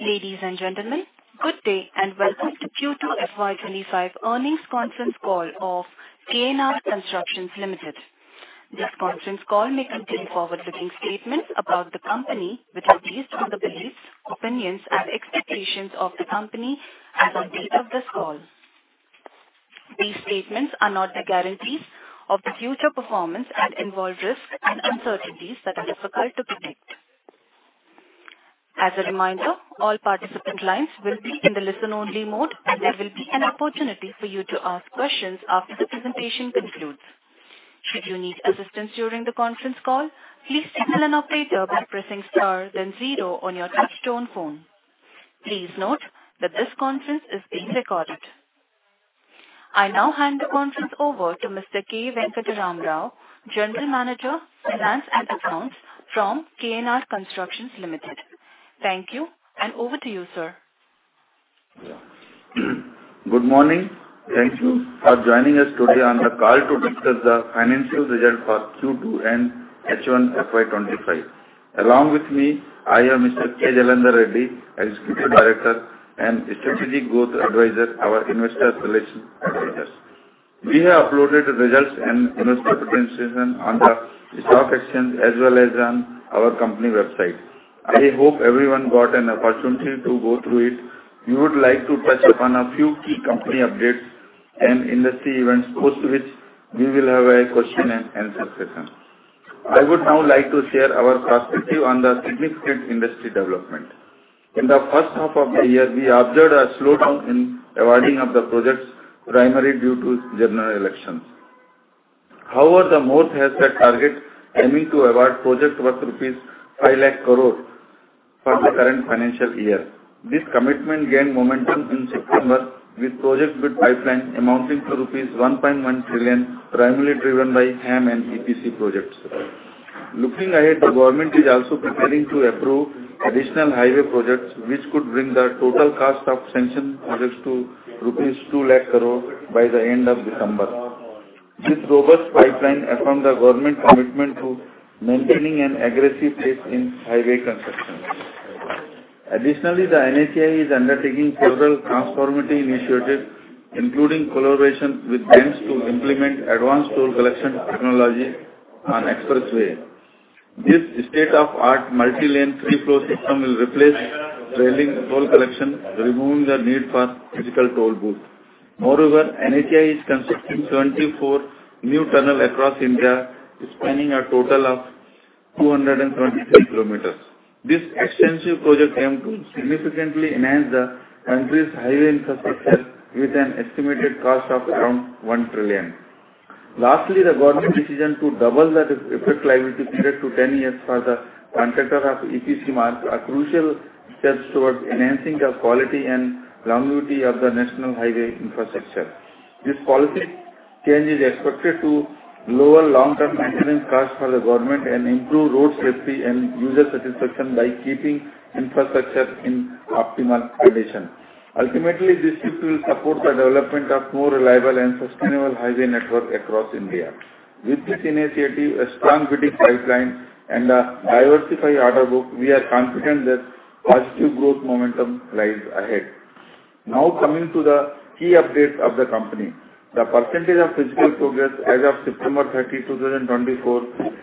Ladies and gentlemen, good day and welcome to Q2 FY25 earnings conference call of KNR Constructions Limited. This conference call may contain forward-looking statements about the company with a view to the beliefs, opinions, and expectations of the company as of the date of this call. These statements are not the guarantees of the future performance and involve risks and uncertainties that are difficult to predict. As a reminder, all participant lines will be in the listen-only mode, and there will be an opportunity for you to ask questions after the presentation concludes. Should you need assistance during the conference call, please signal an operator by pressing star then zero on your touch-tone phone. Please note that this conference is being recorded. I now hand the conference over to Mr. K. Venkatram Rao, General Manager, Finance and Accounts from KNR Constructions Limited. Thank you, and over to you, sir. Good morning. Thank you for joining us today on the call to discuss the financial results for Q2 and H1 FY25. Along with me, I have Mr. K. Jalandhar Reddy, Executive Director and Strategic Growth Advisor, our Investor Relations Advisor. We have uploaded the results and investor presentation on the stock exchange as well as on our company website. I hope everyone got an opportunity to go through it. We would like to touch upon a few key company updates and industry events post which we will have a question and answer session. I would now like to share our perspective on the significant industry development. In the first half of the year, we observed a slowdown in awarding of the projects, primarily due to general elections. However, the MoRTH has set targets aiming to award project worth 5 lakh crore rupees for the current financial year. This commitment gained momentum in September, with project bid pipeline amounting to INR 1.1 trillion, primarily driven by HAM and EPC projects. Looking ahead, the government is also preparing to approve additional highway projects, which could bring the total cost of sanctioned projects to rupees 2 lakh crore by the end of December. This robust pipeline affirms the government's commitment to maintaining an aggressive pace in highway construction. Additionally, the NHAI is undertaking several transformative initiatives, including collaboration with banks to implement advanced toll collection technology on expressways. This state-of-the-art multi-lane three-flow system will replace trailing toll collection, removing the need for physical toll booths. Moreover, NHAI is constructing 74 new tunnels across India, spanning a total of 273 kilometers. This extensive project aims to significantly enhance the country's highway infrastructure with an estimated cost of around 1 trillion. Lastly, the government's decision to double the effective liability period to 10 years for the contractor of EPC marks a crucial step towards enhancing the quality and longevity of the national highway infrastructure. This policy change is expected to lower long-term maintenance costs for the government and improve road safety and user satisfaction by keeping infrastructure in optimal condition. Ultimately, this shift will support the development of more reliable and sustainable highway networks across India. With this initiative, a strong bidding pipeline, and a diversified order book, we are confident that positive growth momentum lies ahead. Now, coming to the key updates of the company, the percentage of physical progress as of September 30, 2024,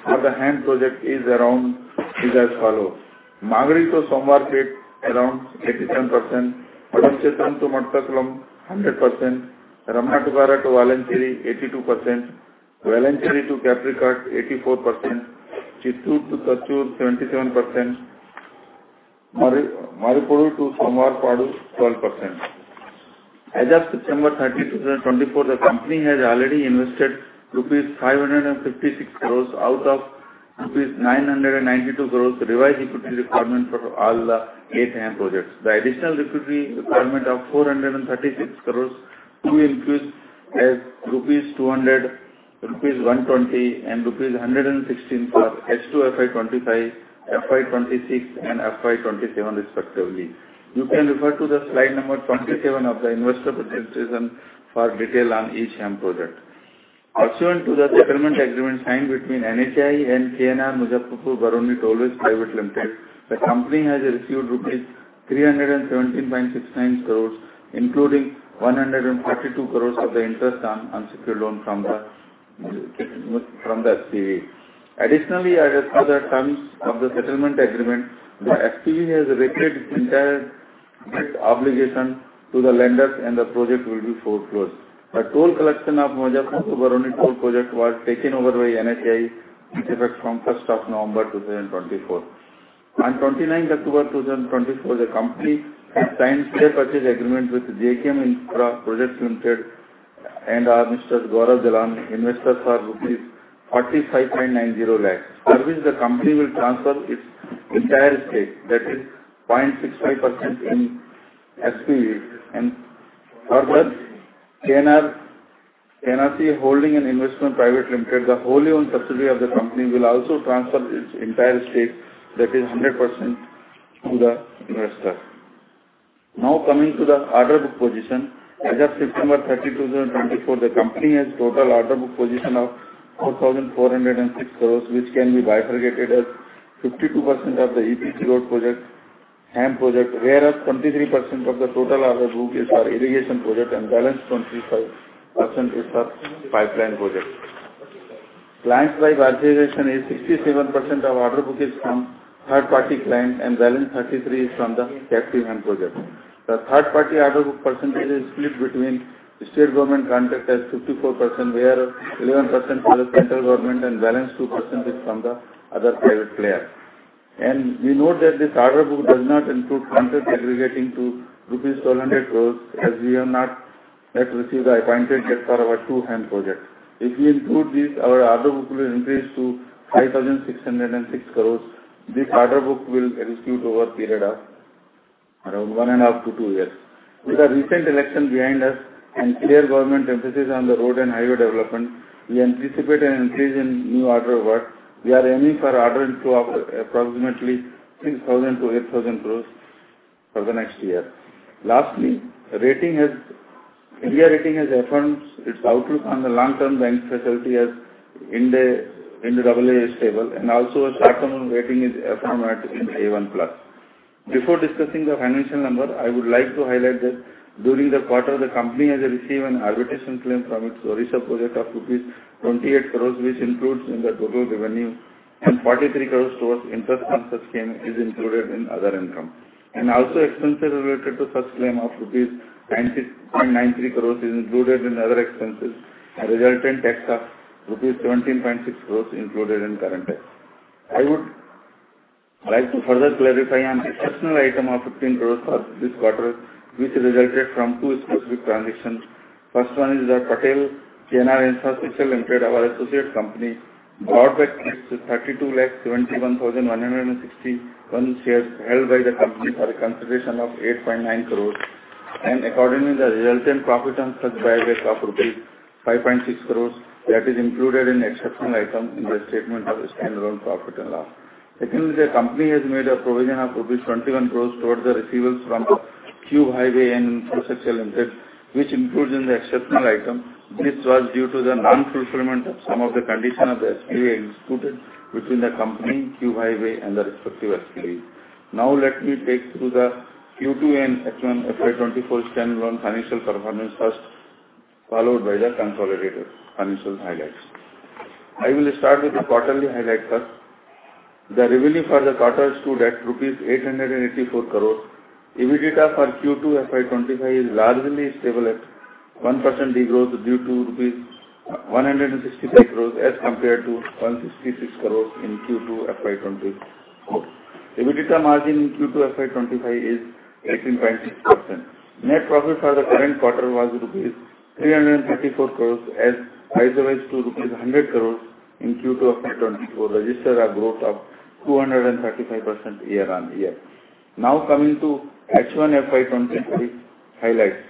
for the HAM project is as follows: Magadi to Somwarpet, around 87%; Oddanchatram to Madathukulam, 100%; Ramanattukara to Valanchery, 82%; Valanchery to Kappirikkad, 84%; Chittoor to Thatchur, 77%; Marripudi to Somvarappadu, 12%. As of September 30, 2024, the company has already invested rupees 556 crore out of rupees 992 crore revised equity requirement for all the eight HAM projects. The additional equity requirement of 436 crore to increase is rupees 200, rupees 120, and rupees 116 for H2 FY25, FY26, and FY27, respectively. You can refer to the slide number 27 of the investor presentation for detail on each HAM project. Pursuant to the settlement agreement signed between NHAI and KNR Muzaffarpur Barauni Tollways Private Limited, the company has received rupees 317.69 crore, including 42 crore of the interest on unsecured loan from the SPV. Additionally, as per the terms of the settlement agreement, the SPV has repaid its entire debt obligation to the lenders, and the project will be foreclosed. The toll collection of Muzaffarpur Barauni Toll Project was taken over by NHAI with effect from 1st of November 2024. On 29th October 2024, the company has signed a purchase agreement with JKM Infra Projects Limited and Mr. Gaurav Dhillon, investors for rupees 45.90 lakhs, the company will transfer its entire stake, that is 0.65% in SPV. Further, KNRC Holding and Investments Private Limited, the wholly owned subsidiary of the company, will also transfer its entire stake, that is 100%, to the investor. Now, coming to the order book position, as of September 30, 2024, the company has total order book position of 4,406 crore, which can be bifurcated as 52% of the EPC road project, HAM project, whereas 23% of the total order book is for irrigation project and balance 25% is for pipeline project. Clients by valuation is 67% of order book is from third-party clients and balance 33% is from the KNR HAM project. The third-party order book percentage is split between state government contractors as 54%, whereas 11% is for the central government and balance 2% is from the other private player. And we note that this order book does not include contracts aggregating to rupees 1,200 crore, as we have not yet received the appointed date for our two HAM projects. If we include this, our order book will increase to 5,606 crore. This order book will execute over a period of around one and a half to two years. With the recent election behind us and clear government emphasis on the road and highway development, we anticipate an increase in new order work. We are aiming for order in approximately 6,000-8,000 crore for the next year. Lastly, India Ratings has affirmed its outlook on the long-term bank facility as IND AA stable, and also a short-term rating is affirmed at A1+. Before discussing the financial numbers, I would like to highlight that during the quarter, the company has received an arbitration claim from its Orissa project of rupees 28 crore, which is included in the total revenue, and 43 crore towards interest on such claim is included in other income. Also, expenses related to such claim of rupees 93 crore is included in other expenses, and resultant tax of rupees 17.6 crore is included in current tax. I would like to further clarify on the exceptional item of 15 crore for this quarter, which resulted from two specific transactions. First one is the Patel KNR Infrastructures Limited, our associate company, bought back its 3,271,161 shares held by the company for a consideration of 8.9 crore. Accordingly, the resultant profit on such buyback of rupees 5.6 crore that is included in the exceptional item in the statement of its consolidated profit and loss. Secondly, the company has made a provision of INR 21 crore towards the receivables from Cube Highways and Infrastructure Limited, which includes in the exceptional item. This was due to the non-fulfillment of some of the conditions of the SPV executed between the company, Cube Highways, and the respective SPV. Now, let me take you through the Q2 and H1 FY24 consolidated financial performance first, followed by the consolidated financial highlights. I will start with the quarterly highlights first. The revenue for the quarter stood at rupees 884 crore. EBITDA for Q2 FY25 is largely stable at 1% degrowth stood at rupees 163 crore as compared to 166 crore in Q2 FY24. EBITDA margin in Q2 FY25 is 18.6%. Net profit for the current quarter was rupees 334 crore, as against rupees 100 crore in Q2 FY24, registered a growth of 235% year-on-year. Now, coming to H1 FY25 highlights.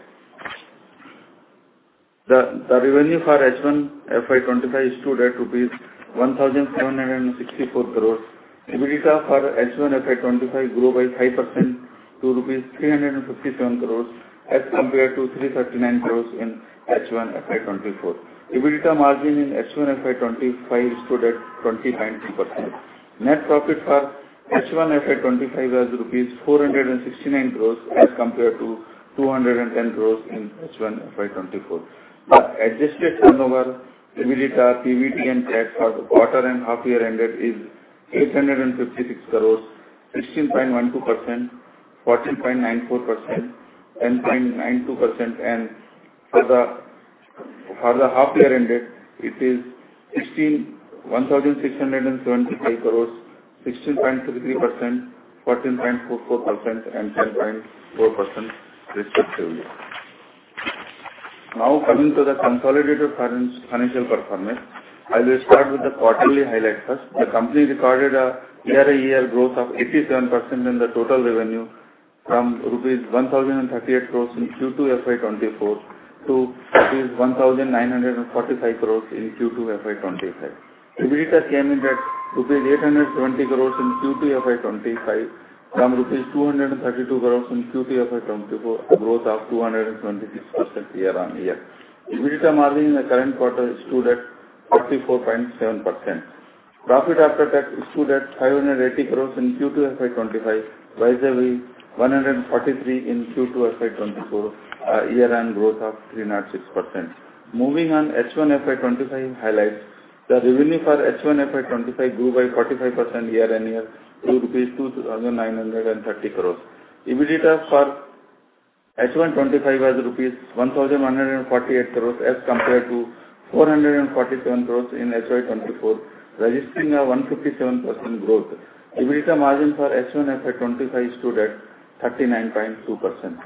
The revenue for H1 FY25 stood at rupees 1,764 crore. EBITDA for H1 FY25 grew by 5% to rupees 357 crore, as compared to 339 crore in H1 FY24. EBITDA margin in H1 FY25 stood at 20.2%. Net profit for H1 FY25 wasINR469 crore, as compared to 210 crore in H1 FY24. The adjusted turnover, EBITDA, PBT, and tax for the quarter and half-year ended isINR856 crore, 16.12%, 14.94%, 10.92%, and for the half-year ended, it is 1,675 crore, 16.33%, 14.44%, and 10.4%, respectively. Now, coming to the consolidated financial performance, I will start with the quarterly highlights first. The company recorded a year-on-year growth of 87% in the total revenue from rupees 1,038 crore in Q2 FY24 to rupees 1,945 crore in Q2 FY25. EBITDA came in at rupees 870 crore in Q2 FY25 from rupees 232 crore in Q2 FY24, a growth of 276% year-on-year. EBITDA margin in the current quarter stood at 34.7%. Profit after tax stood at 580 crore in Q2 FY25 from 143 crore in Q2 FY24, a year-on-year growth of 306%. Moving on, H1 FY25 highlights. The revenue for H1 FY25 grew by 45% year-on-year to rupees 2,930 crore. EBITDA for H1 FY25 was rupees 1,148 crore, as compared to 447 crore in HY24, registering a 157% growth. EBITDA margin for H1 FY25 stood at 39.2%.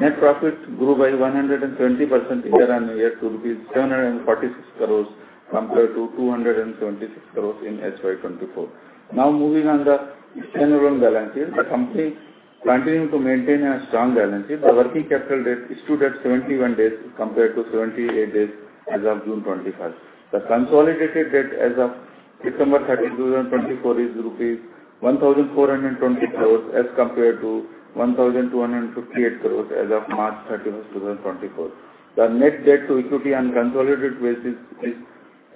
Net profit grew by 170% year-on-year to rupees 746 crore, compared to 276 crore in HY24. Now, moving on to the net debt on the balance sheet, the company continued to maintain a strong balance sheet. The working capital days is at 71 days compared to 78 days as of June 2021. The consolidated debt as of September 30, 2024, isINR1,420 crore, as compared to 1,258 crore as of March 31, 2024. The net debt to equity on consolidated basis is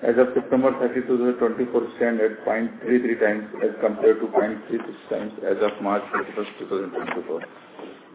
as of September 30, 2024 stands at 0.33 times, as compared to 0.36 times as of March 31,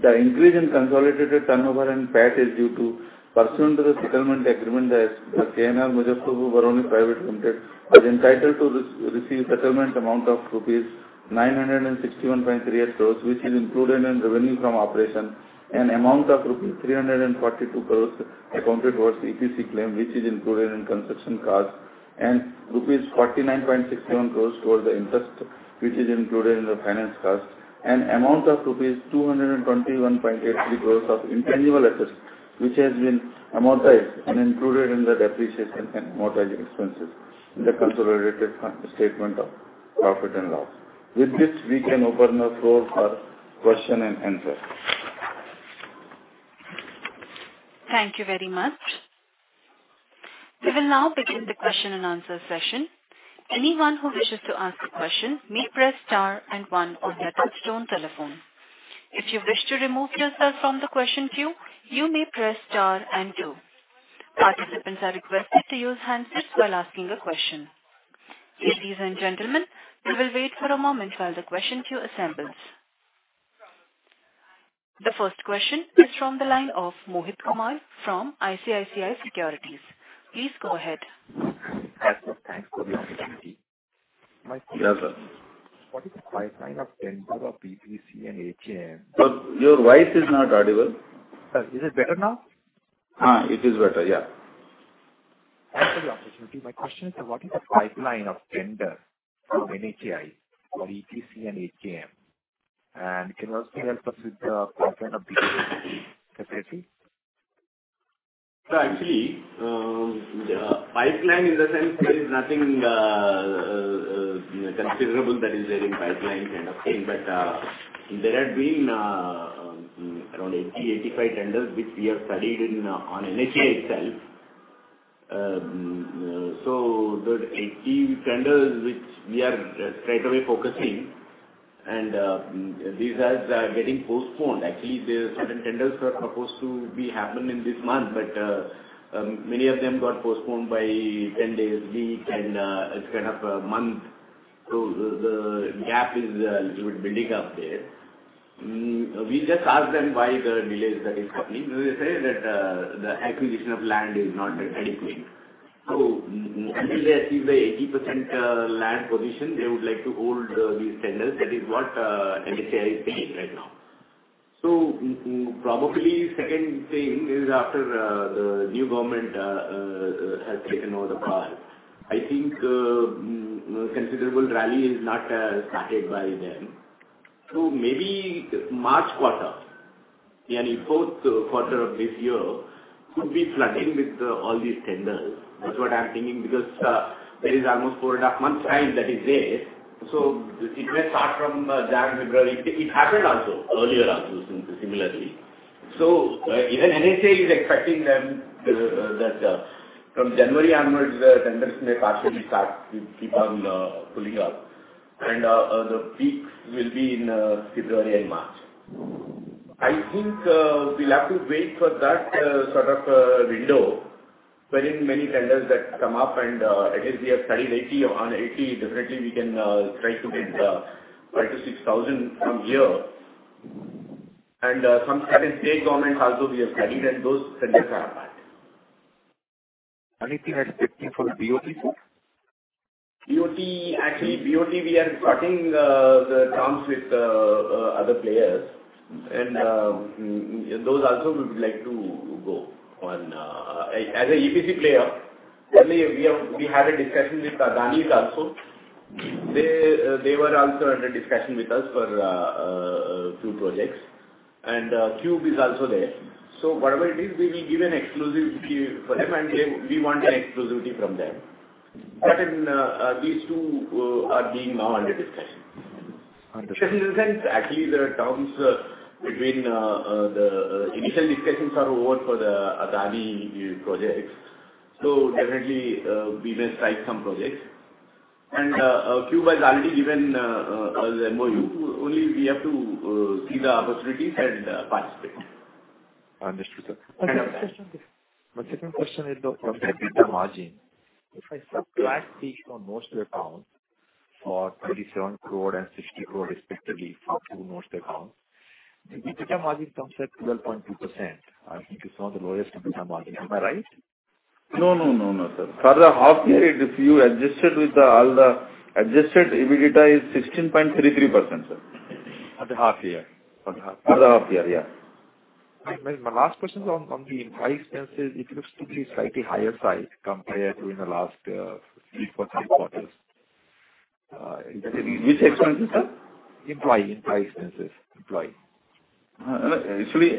2024. The increase in consolidated turnover and PAT is due to pursuant to the settlement agreement that the KNR Muzaffarpur Barauni Private Limited was entitled to receive a settlement amount of rupees 961.38 crore, which is included in revenue from operation, an amount of rupees 342 crore accounted towards EPC claim, which is included in construction costs, and rupees 49.61 crore towards the interest, which is included in the finance cost, an amount of rupees 221.83 crore of intangible assets, which has been amortized and included in the depreciation and amortization expenses in the consolidated statement of profit and loss. With this, we can open the floor for question and answer. Thank you very much. We will now begin the question and answer session. Anyone who wishes to ask a question may press star and one on the touchtone telephone. If you wish to remove yourself from the question queue, you may press star and two. Participants are requested to use handsets while asking a question. Ladies and gentlemen, we will wait for a moment while the question queue assembles. The first question is from the line of Mohit Kumar from ICICI Securities. Please go ahead. Thanks for the opportunity. My question is, what is the pipeline of tender of EPC and HAM? Sir, your voice is not audible. Sir, is it better now? It is better, yeah. Thanks for the opportunity. My question is, what is the pipeline of tender from NHI for EPC and HAM? And can you also help us with the pipeline of EPC? Actually, the pipeline in the sense there is nothing considerable that is there in pipeline kind of thing, but there have been around 80, 85 tenders which we have studied on NHI itself. So the 80 tenders which we are straightaway focusing, and these are getting postponed. Actually, there are certain tenders that were supposed to happen in this month, but many of them got postponed by 10 days, like, and kind of a month. So the gap is a little bit building up there. We just asked them why the delays that are happening. They said that the acquisition of land is not adequate. So until they achieve the 80% land position, they would like to hold these tenders. That is what NHI is doing right now. So probably the second thing is after the new government has taken over the power. I think a considerable rally is not started by them. So maybe March quarter, yani fourth quarter of this year, could be flooding with all these tenders. That's what I'm thinking because there is almost four and a half months' time that is there. So it may start from January, February. It happened also earlier also similarly. So even NHAI is expecting them that from January onwards, the tenders may partially start to keep on pulling up. And the peak will be in February and March. I think we'll have to wait for that sort of window wherein many tenders that come up, and at least we have studied 80. On 80, definitely we can try to get five to 6,000 a year. And some state governments also we have studied, and those tenders are apart. Anything expected for the BOT? Actually, BOT, we are cutting the terms with other players, and those also we would like to go on. As an EPC player, we had a discussion with Adani also. They were also under discussion with us for a few projects, and Cube is also there. So whatever it is, we will give an exclusive for them, and we want an exclusivity from them. But these two are being now under discussion. In the sense that actually there are terms between. The initial discussions are over for the Adani projects. So definitely we may strike some projects. And Q has already given us the MOU. Only we have to see the opportunities and participate. Understood, sir. My second question is the EBITDA margin. If I subtract each of the notes account for 27 crore and 60 crore, respectively, for two notes accounts, the EBITDA margin comes at 12.2%. I think it's one of the lowest EBITDA margins. Am I right? No, no, no, no, sir. For the half-year, it is 15%. Adjusted with all the adjusted EBITDA is 16.33%, sir. For the half-year? For the half-year, yeah. My last question is on the employee expenses. It looks to be slightly higher side compared to in the last three or four years. Which expenses, sir? Employee expenses. Employee. Actually,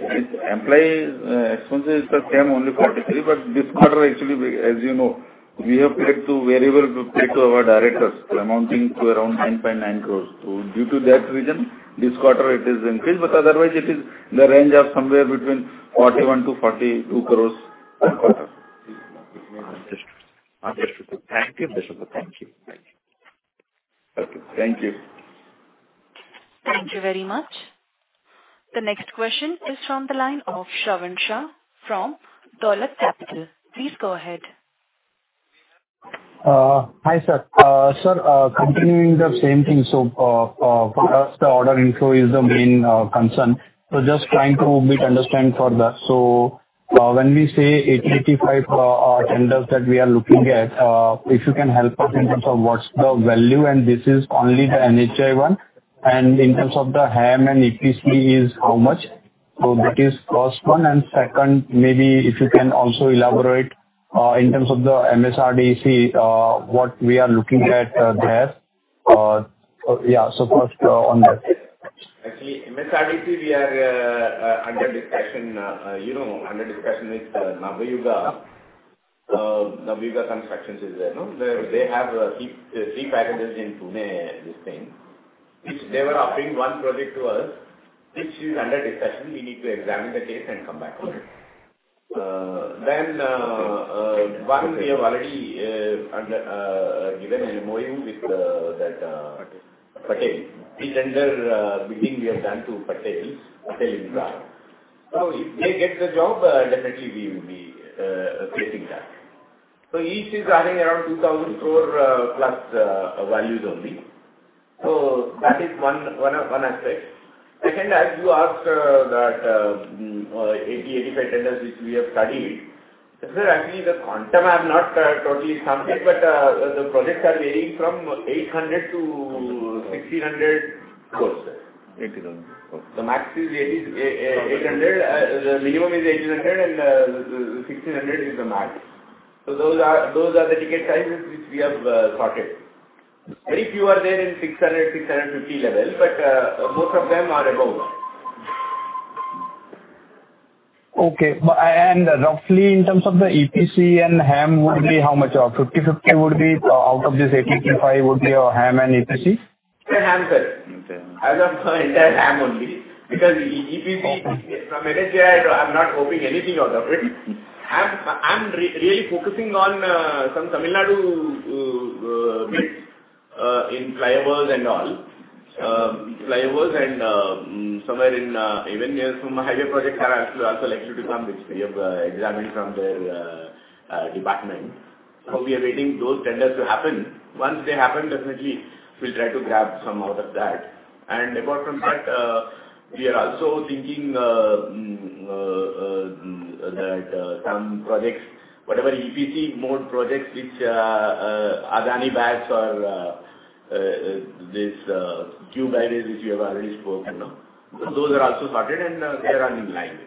employee expenses are the same only INR 43 crore, but this quarter actually, as you know, we have paid variable pay to our directors amounting to around 9.9 crore. So due to that reason, this quarter it is increased, but otherwise it is in the range of somewhere between 41 crore to 42 crore per quarter. Understood. Thank you, Mr. Sir. Thank you. Thank you. Okay. Thank you. Thank you very much. The next question is from the line of Shravan Shah from Dolat Capital. Please go ahead. Hi, sir. Sir, continuing the same thing. So for us, the order inflow is the main concern. So just trying to make understand further. So when we say 80-85 tenders that we are looking at, if you can help us in terms of what's the value, and this is only the NHI one, and in terms of the HAM and EPC is how much. So that is first one. And second, maybe if you can also elaborate in terms of the MSRDC, what we are looking at there. Yeah. So first on that. Actually, MSRDC we are under discussion. You know, under discussion with Navayuga. Navayuga Constructions is there. They have three packages in Pune this time. They were offering one project to us, which is under discussion. We need to examine the case and come back to it. Then one, we have already given an MOU with that Patel. This tender bidding we have done to Patel, Patel Infra, so if they get the job, definitely we will be placing that, so each is running around 2,000 crore plus values only. So that is one aspect. Second, as you asked that 80, 85 tenders which we have studied, sir, actually the quantum have not totally summed it, but the projects are varying from 800-1,600 crore. The max is 800. The minimum is 800, and 1,600 is the max. So those are the ticket sizes which we have sorted. Very few are there in 600, 650 level, but most of them are above. Okay. And roughly in terms of the EPC and HAM, would it be how much? 50-50 would be out of this 80-85 would be HAM and EPC? HAM, sir. As for HAM only. Because EPC from NHI, I'm not hoping anything out of it. I'm really focusing on some Tamil Nadu bids in flyovers and all. Flyovers and somewhere in even near some highway projects are also likely to come which we have examined from their department. So we are waiting those tenders to happen. Once they happen, definitely we'll try to grab some out of that. And apart from that, we are also thinking that some projects, whatever EPC mode projects which Adani's or this Cube Highways, which we have already spoken of, those are also sorted, and they are running live.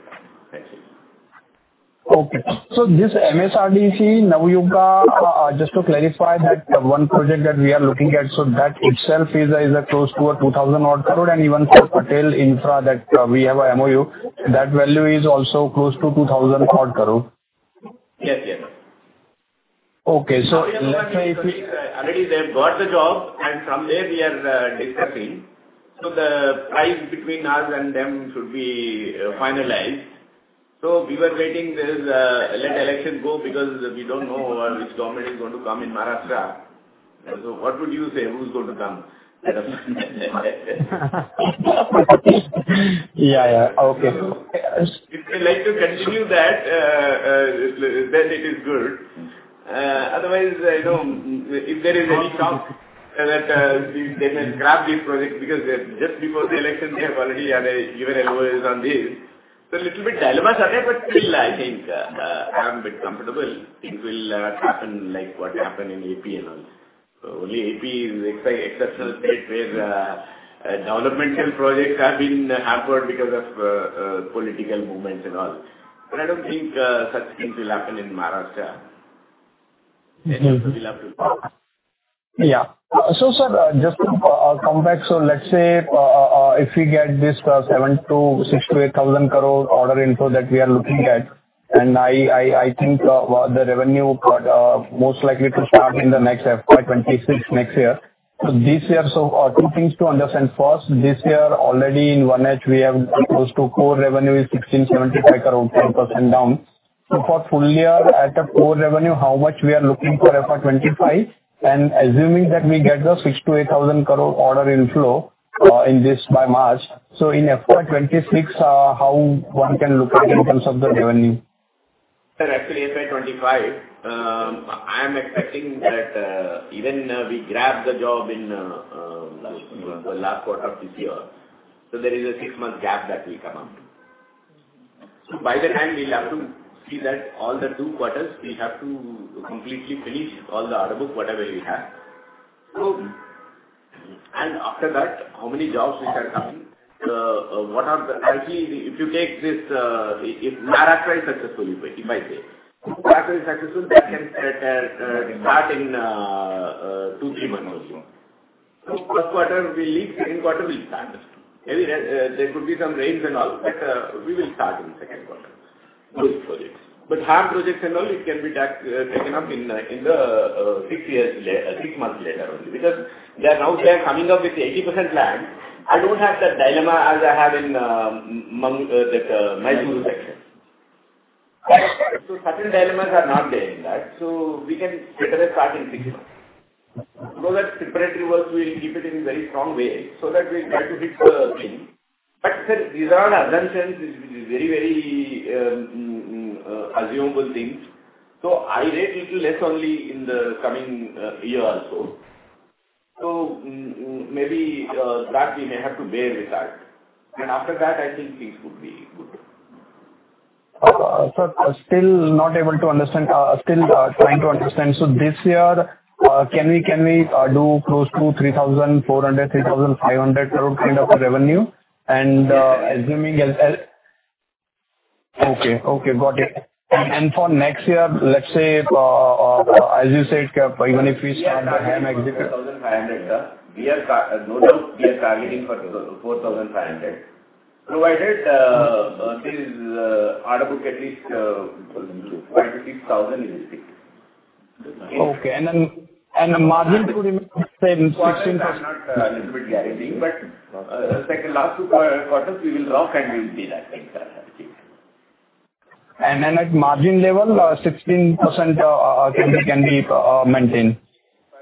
Okay. So this MSRDC, Navayuga, just to clarify that one project that we are looking at, so that itself is close to 2,000 crore, and even for Patel Infra that we have an MOU, that value is also close to 2,000 crore? Yes, yes. Okay. So let's say if we already they've got the job, and from there we are discussing. So the price between us and them should be finalized. So we were waiting this let election go because we don't know which government is going to come in Maharashtra. So what would you say? Who's going to come? Yeah, yeah. Okay. If they like to continue that, then it is good. Otherwise, if there is any chance that they may grab this project because just before the election, they have already given LOAs on this. So a little bit dilemma is there, but still I think I'm a bit comfortable. Things will happen like what happened in AP and all. Only AP is an exceptional state where developmental projects have been hampered because of political movements and all. But I don't think such things will happen in Maharashtra. We'll have to see. Yeah. So sir, just to come back, so let's say if we get this 6 to 7 to 8 thousand crore order inflow that we are looking at, and I think the revenue most likely to start in the next FY 26 next year. So this year, so two things to understand. First, this year already in 1H, we have close to crore revenue is 1,675 crore, 10% down. So for full year at a crore revenue, how much we are looking for FY 25? Assuming that we get the 6,000-8,000 crore order inflow by March, so in FY 26, how one can look at it in terms of the revenue? Sir, actually FY 25, I am expecting that even we grab the job in the last quarter of this year, so there is a six-month gap that will come up. So by the time we'll have to see that all the two quarters, we have to completely finish all the order book, whatever we have. And after that, how many jobs which are coming? Actually, if you take this if Maharashtra is successful, if I say, Maharashtra is successful, that can start in two, three months only. So first quarter will leak, second quarter will start. There could be some rains and all, but we will start in the second quarter. But HAM projects and all, it can be taken up in the six months later only. Because now they are coming up with 80% land, I don't have that dilemma as I have in that Mysuru section. So certain dilemmas are not there in that. So we can better start in six months. So that preparatory work will keep it in very strong way so that we try to hit the thing. But sir, these are all assumptions, very, very assumable things. So I rate a little less only in the coming year also. So maybe that we may have to bear with that. And after that, I think things would be good. Sir, still not able to understand, still trying to understand. So this year, can we do close to 3,400-3,500 crore kind of revenue? And assuming as okay, okay, got it. And for next year, let's say, as you said, even if we start the HAM execute. 4,500, sir. No doubt we are targeting for 4,500. Provided this order book at least 5 to 6 thousand is expected. Okay. And the margin could remain the same. 16%. A little bit guaranteeing, but second last two quarters, we will rock and we'll be that. And then at margin level, 16% can be maintained.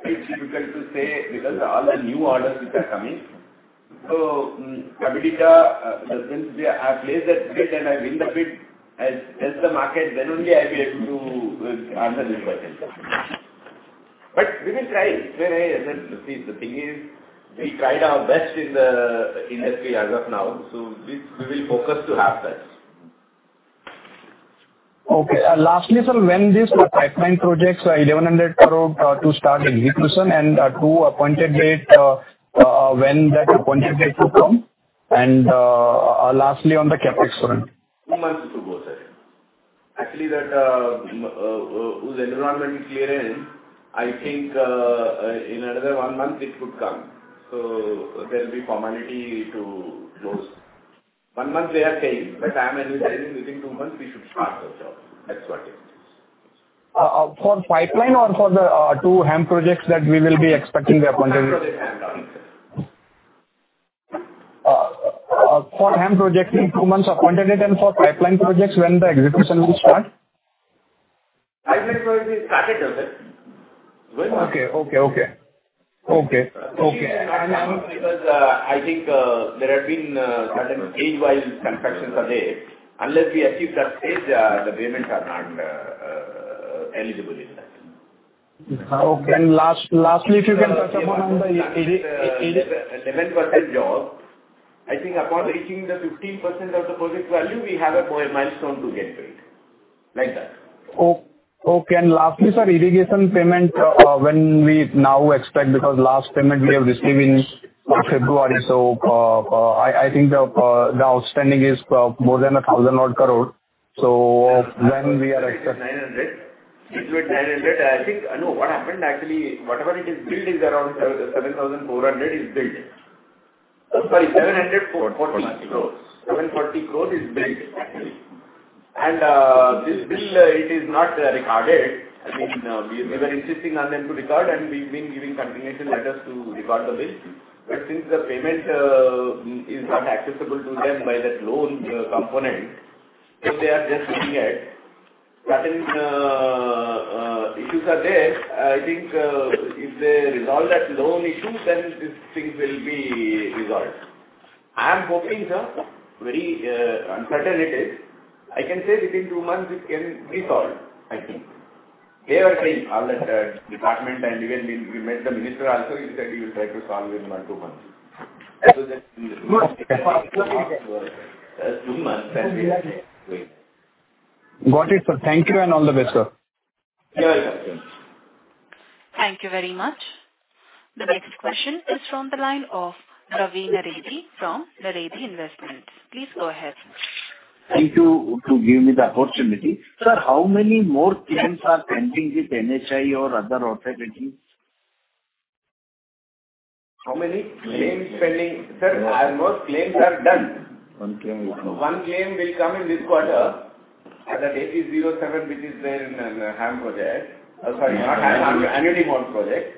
It's difficult to say because all the new orders which are coming. So Abhishek, since we are placed at bid and I win the bid, as the market, then only I'll be able to answer this question. But we will try. See, the thing is we tried our best in the industry as of now, so we will focus to have that. Okay. Lastly, sir, when these pipeline projects, 1,100 crore to start in Hisar and two appointed date, when that appointed date would come? And lastly, on the CapEx front. Two months to go, sir. Actually, that was environmentally cleared and I think in another one month it would come. So there will be formality to close. One month they are saying, but I am initiating within two months we should start the job. That's what it is. For pipeline or for the two HAM projects that we will be expecting the appointed date? For HAM projects, two months appointed date and for pipeline projects, when the execution will start? Pipeline projects will start at the time. Okay, okay. And because I think there have been certain stage-wise constructions already, unless we achieve that stage, the payments are not eligible in that. Okay. Lastly, if you can touch upon the. It is an 11% job. I think upon reaching the 15% of the project value, we have a milestone to get paid. Like that. Okay. And lastly, sir, irrigation payment, when we now expect, because last payment we have received in February, so I think the outstanding is more than 1,000 crore. So when we are expecting. 900 crore. It's worth 900 crore. I think, no, what happened actually, whatever it is built is around 740 crore is built. Sorry, 740 crore. 740 crore is built. And this bill, it is not recorded. I mean, we were insisting on them to record the bill. And we've been giving continuation letters to record the bill. But since the payment is not accessible to them by that loan component, so they are just looking at certain issues are there. I think if they resolve that loan issue, then these things will be resolved. I am hoping, sir, very uncertain it is. I can say within two months it can be solved, I think. They are saying all that department and even we met the minister also, he said he will try to solve it in one two months. So that's two months and we will see. Got it, sir. Thank you and all the best, sir. You're welcome, sir. Thank you very much. The next question is from the line of Raveen Naredi from Naredi Investment. Please go ahead. Thank you for giving me the opportunity. Sir, how many more claims are pending with NHI or other authorities? How many? Claims pending. Sir, most claims are done. One claim will come. One claim will come in this quarter. That 80,070 which is there in HAM project. Sorry, not HAM. HAM annuity mode project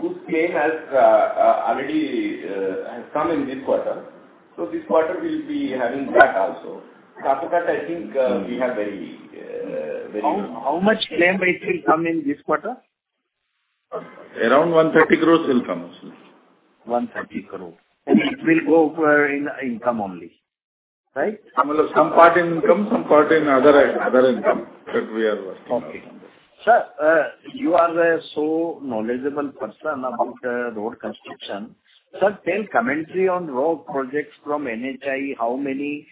whose claim has already come in this quarter. So this quarter we'll be having that also. So after that, I think we have very good. How much claim will still come in this quarter? Around 130 crore will come also. 130 crore. And it will go over in income only, right? Some part in income, some part in other income that we are working on. Okay. Sir, you are such a knowledgeable person about road construction. Sir, tell commentary on road projects from NHAI, how many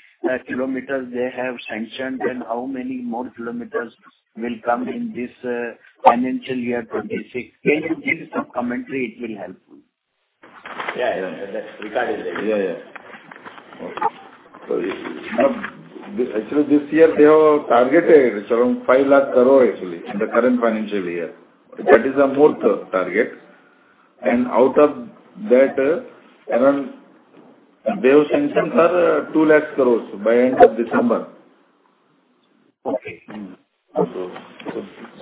kilometers they have sanctioned and how many more kilometers will come in this financial year 26. Can you give some commentary? It will help you. Yeah, yeah. That's recorded there. Yeah, yeah. Okay. So actually this year they have targeted around 5 lakh crore actually in the current financial year. That is a more target. And out of that, around they have sanctioned for 2 lakh crores by end of December. Okay. So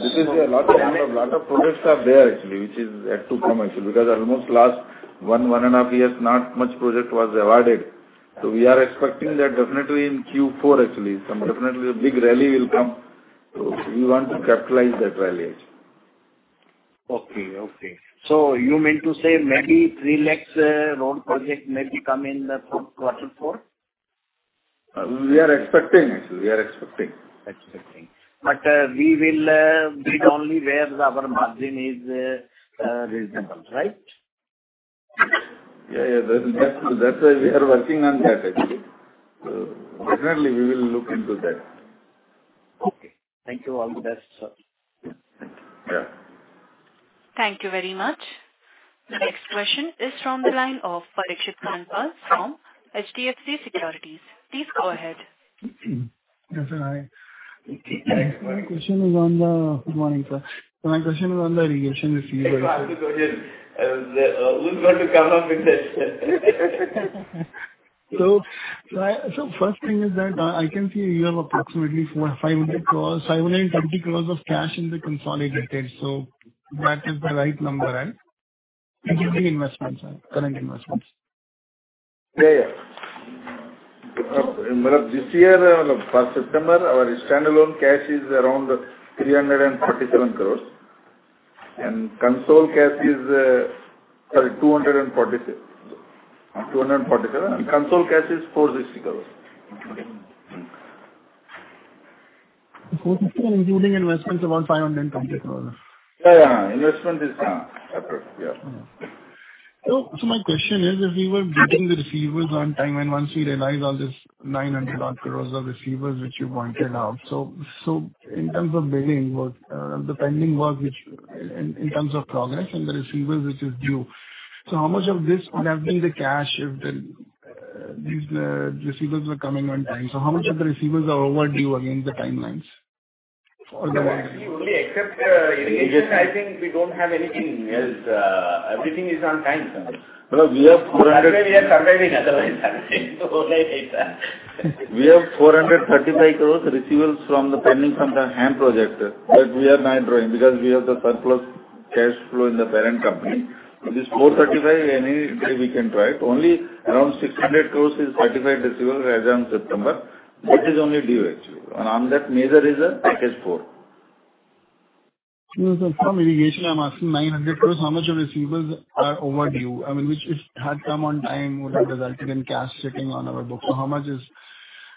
this is a lot of projects are there actually, which is yet to come actually. Because almost last one and a half years, not much project was awarded. So we are expecting that definitely in Q4 actually, some definitely a big rally will come. So we want to capitalize that rally actually. Okay, okay. So you mean to say maybe 3 lakh road project maybe come in the quarter four? We are expecting actually. But we will bid only where our margin is reasonable, right? Yeah, yeah. That's why we are working on that actually. So definitely we will look into that. Okay. Thank you. All the best, sir. Thank you. Yeah. Thank you very much. The next question is from the line of Parikshit Kandpal from HDFC Securities. Please go ahead. Yes, sir. Good morning, sir. My question is on the irrigation revenue. You have to go ahead. We'll not come up with that. So first thing is that I can see you have approximately 520 crores of cash in the consolidated. So that is the right number, right? Investments, current investments. Yeah, yeah. This year, for September, our standalone cash is around 347 crores. And consolidated cash is, sorry, 247. And consolidated cash is 460 crores. 460 crores including investments around 520 crores. Yeah, yeah. Investment is yeah. So my question is, if we were getting the receivables on time and once we realize all this 900 crores of receivables which you pointed out, so in terms of billing, the pending was which in terms of progress and the receivables which is due. So how much of this would have been the cash if these receivables were coming on time? So how much of the receivables are overdue against the timelines? For the month. We only accept irrigation. I think we don't have anything else. Everything is on time. That's why we are surviving otherwise. We have 435 crores receivables from the pending from the HAM project. But we are not drawing because we have the surplus cash flow in the parent company. So this 435, any day we can draw it. Only around 600 crores is certified receivable as of September. That is only due actually. On that measure is a package four. From irrigation, I'm asking 900 crore, how much of receivables are overdue? I mean, which if had come on time, would have resulted in cash sitting on our books. So how much is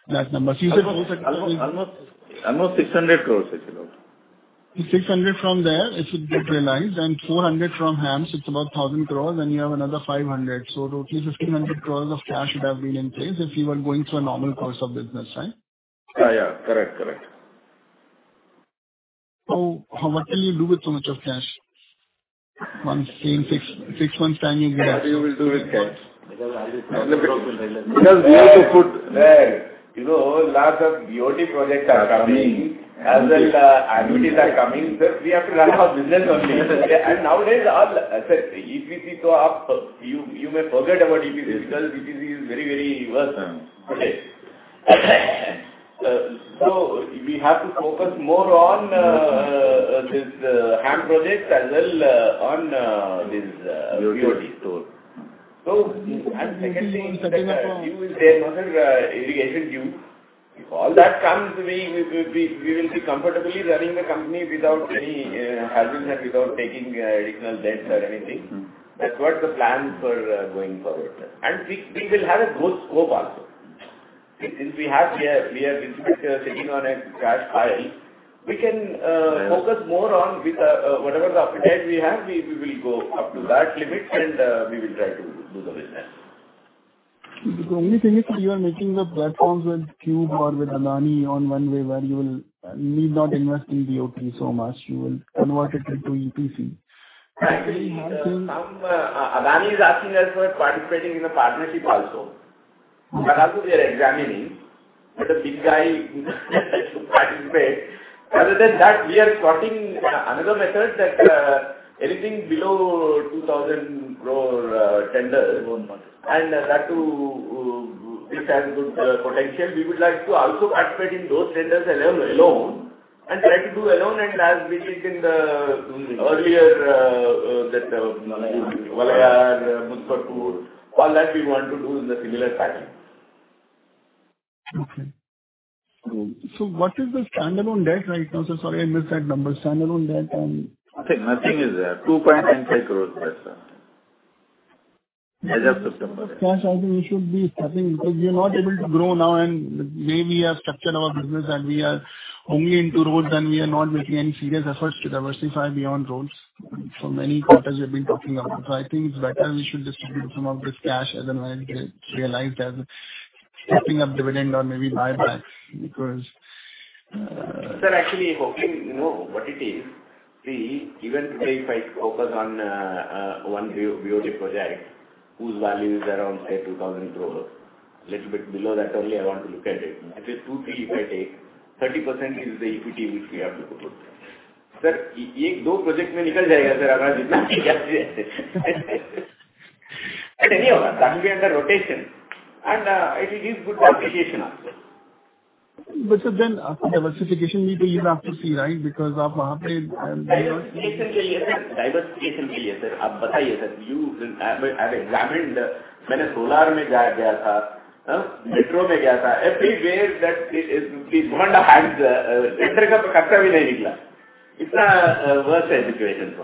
that number? So you said INR 435 crore. Almost 600 crore actually. 600 crore from there if it gets realized and 400 crore from HAM, so it's about 1,000 crore, then you have another 500 crore. So totally 1,500 crore of cash would have been in place if you were going through a normal course of business, right? Yeah, yeah. Correct, correct. So what can you do with so much of cash? Once in six months' time, you get access. What can you do with cash? Because we have to put, sir, you know, lots of BOT projects are coming as well. Advertisers are coming. We have to run our business only. And nowadays EPC, so you may forget about EPC because EPC is very, very worse. So we have to focus more on this HAM project as well on this BOT toll. So I'm seconding you with another irrigation too. If all that comes, we will be comfortably running the company without any hazards and without taking additional debts or anything. That's what the plan for going forward. And we will have a growth scope also. Since we have here, we are sitting on a cash pile, we can focus more on whatever the appetite we have, we will go up to that limit and we will try to do the business. The only thing is that you are making the platforms with Cube or with Adani on one way where you will need not invest in BOT so much. You will convert it into EPC. Adani is asking us for participating in the partnership also, but also we are examining that a big guy to participate. Other than that, we are spotting another method that anything below 2,000 crore tender, and that too which has good potential. We would like to also participate in those tenders alone and try to do alone, and as we did in the earlier that Walayar, Muzaffarpur, all that we want to do in the similar package. Okay. So what is the standalone debt right now, sir? Sorry, I missed that number. Standalone debt and nothing is there. INR 2.95 crores there, sir, as of September. Cash, I think we should be starting because we are not able to grow now and maybe we have structured our business and we are only into roads and we are not making any serious efforts to diversify beyond roads. So many quarters we have been talking about. So I think it's better we should distribute some of this cash as well as realized as stepping up dividend or maybe buybacks because. Sir, actually hoping you know what it is. See, even today if I focus on one BOT project whose value is around, say, 2,000 crores, a little bit below that only, I want to look at it. It is 2-3 if I take. 30% is the equity which we have to put. Sir, एक दो project में निकल जाएगा, sir, हमारा जितना भी क्या. But anyway, we under rotation. And it is good diversification also. But sir, then diversification need to be after C, right? Because of वहां पे. For irrigation, sir, for diversification, sir, you tell me, sir. You I have examined. I had gone into solar, gone into metro, everywhere that this guy heads. The center's expense didn't even come out. The situation there is so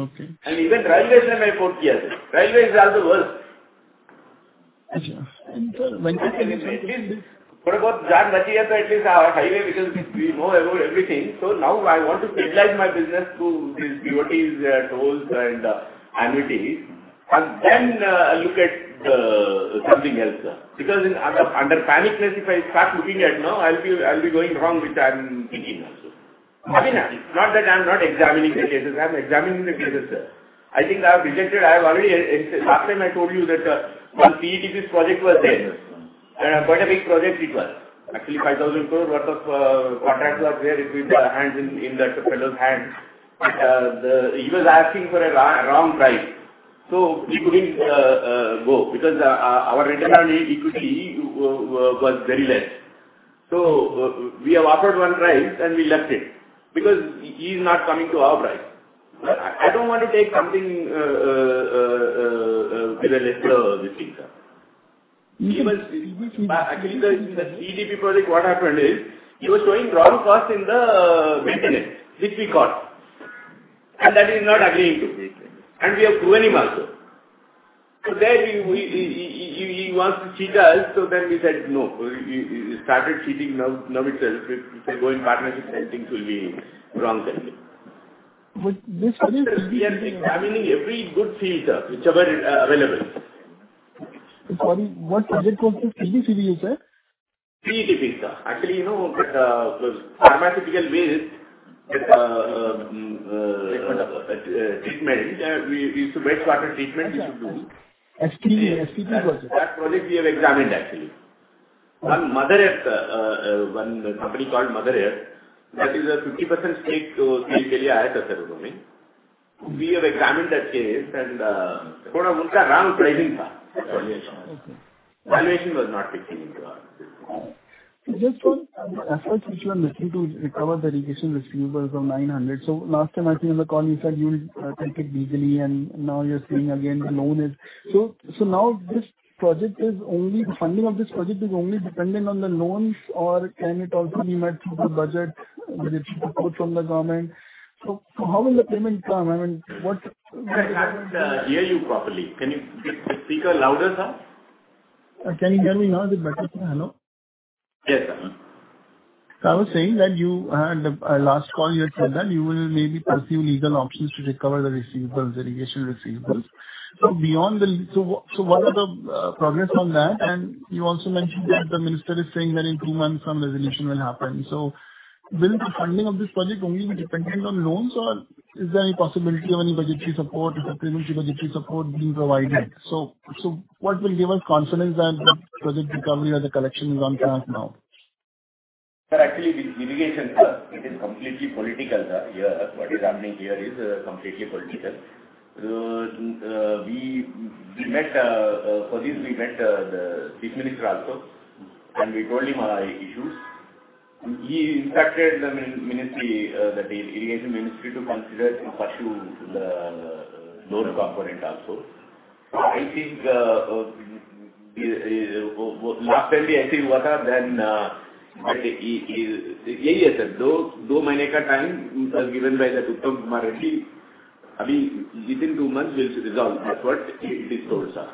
worse. Okay. And even for railways I had quoted, sir. Railway is also worse. Okay. And sir, when you say. At least some life is saved, so at least highway because we know everything. So now I want to stabilize my business through these BOTs, tolls, and annuities. And then I look at something else. Because under panic, if I start looking now, I'll be going wrong which I'm thinking also. I mean, not that I'm not examining the cases. I'm examining the cases, sir. I think I have rejected. I have already last time I told you that one CETP project was there. It was quite a big project. Actually, 5,000 crore worth of contract was there with the hands in that fellow's hand. He was asking for a wrong price. So we couldn't go because our return on equity was very less. So we have offered one price and we left it. Because he is not coming to our price. I don't want to take something with a lesser this thing, sir. Actually, the EPC project what happened is he was showing wrong cost in the maintenance, which we caused. And that he is not agreeing to. And we have proven him also. So then he wants to cheat us. So then we said no. He started cheating now itself. If we can go in partnership, then things will be wrong. But this project will be examining. I mean, every good field, whichever available. Sorry, what project was this? CETP, sir? CETP. Actually, you know, pharmaceutical waste treatment. It's a wastewater treatment which we do. STP. STP project. That project we have examined actually. One company called Mother Earth. That is a 50% stake to Silkelia Aethoserotomy. We have examined that case and thought of what the wrong pricing was. Evaluation was not fitting into our business. Just for actual maturity to recover the receivables of 900. So last time I think on the call you said you will take it legally and now you're saying again the loan is. So now this project is only the funding of this project is only dependent on the loans or can it also be met through the budget which is support from the government? So how will the payment come? I mean, what? Can I hear you properly? Can you speak louder, sir? Can you hear me now? Is it better? Hello? Yes, sir. I was saying that you had last call you had said that you will maybe pursue legal options to recover the irrigation receivables. So beyond that, what is the progress on that? And you also mentioned that the minister is saying that in two months some resolution will happen. So will the funding of this project only be dependent on loans or is there any possibility of any budgetary support, supplementary budgetary support being provided? So what will give us confidence that the project recovery or the collection is on track now? Sir, actually the irrigation it is completely political here. What is happening here is completely political. So we met for this, we met the chief minister also and we told him our issues. He instructed the irrigation ministry to consider in pursue the loan component also. I think last time we, I think it was then that yes, sir, those two months of time given by that Uttam Kumar Reddy. I mean, within two months will resolve that, what it is told, sir.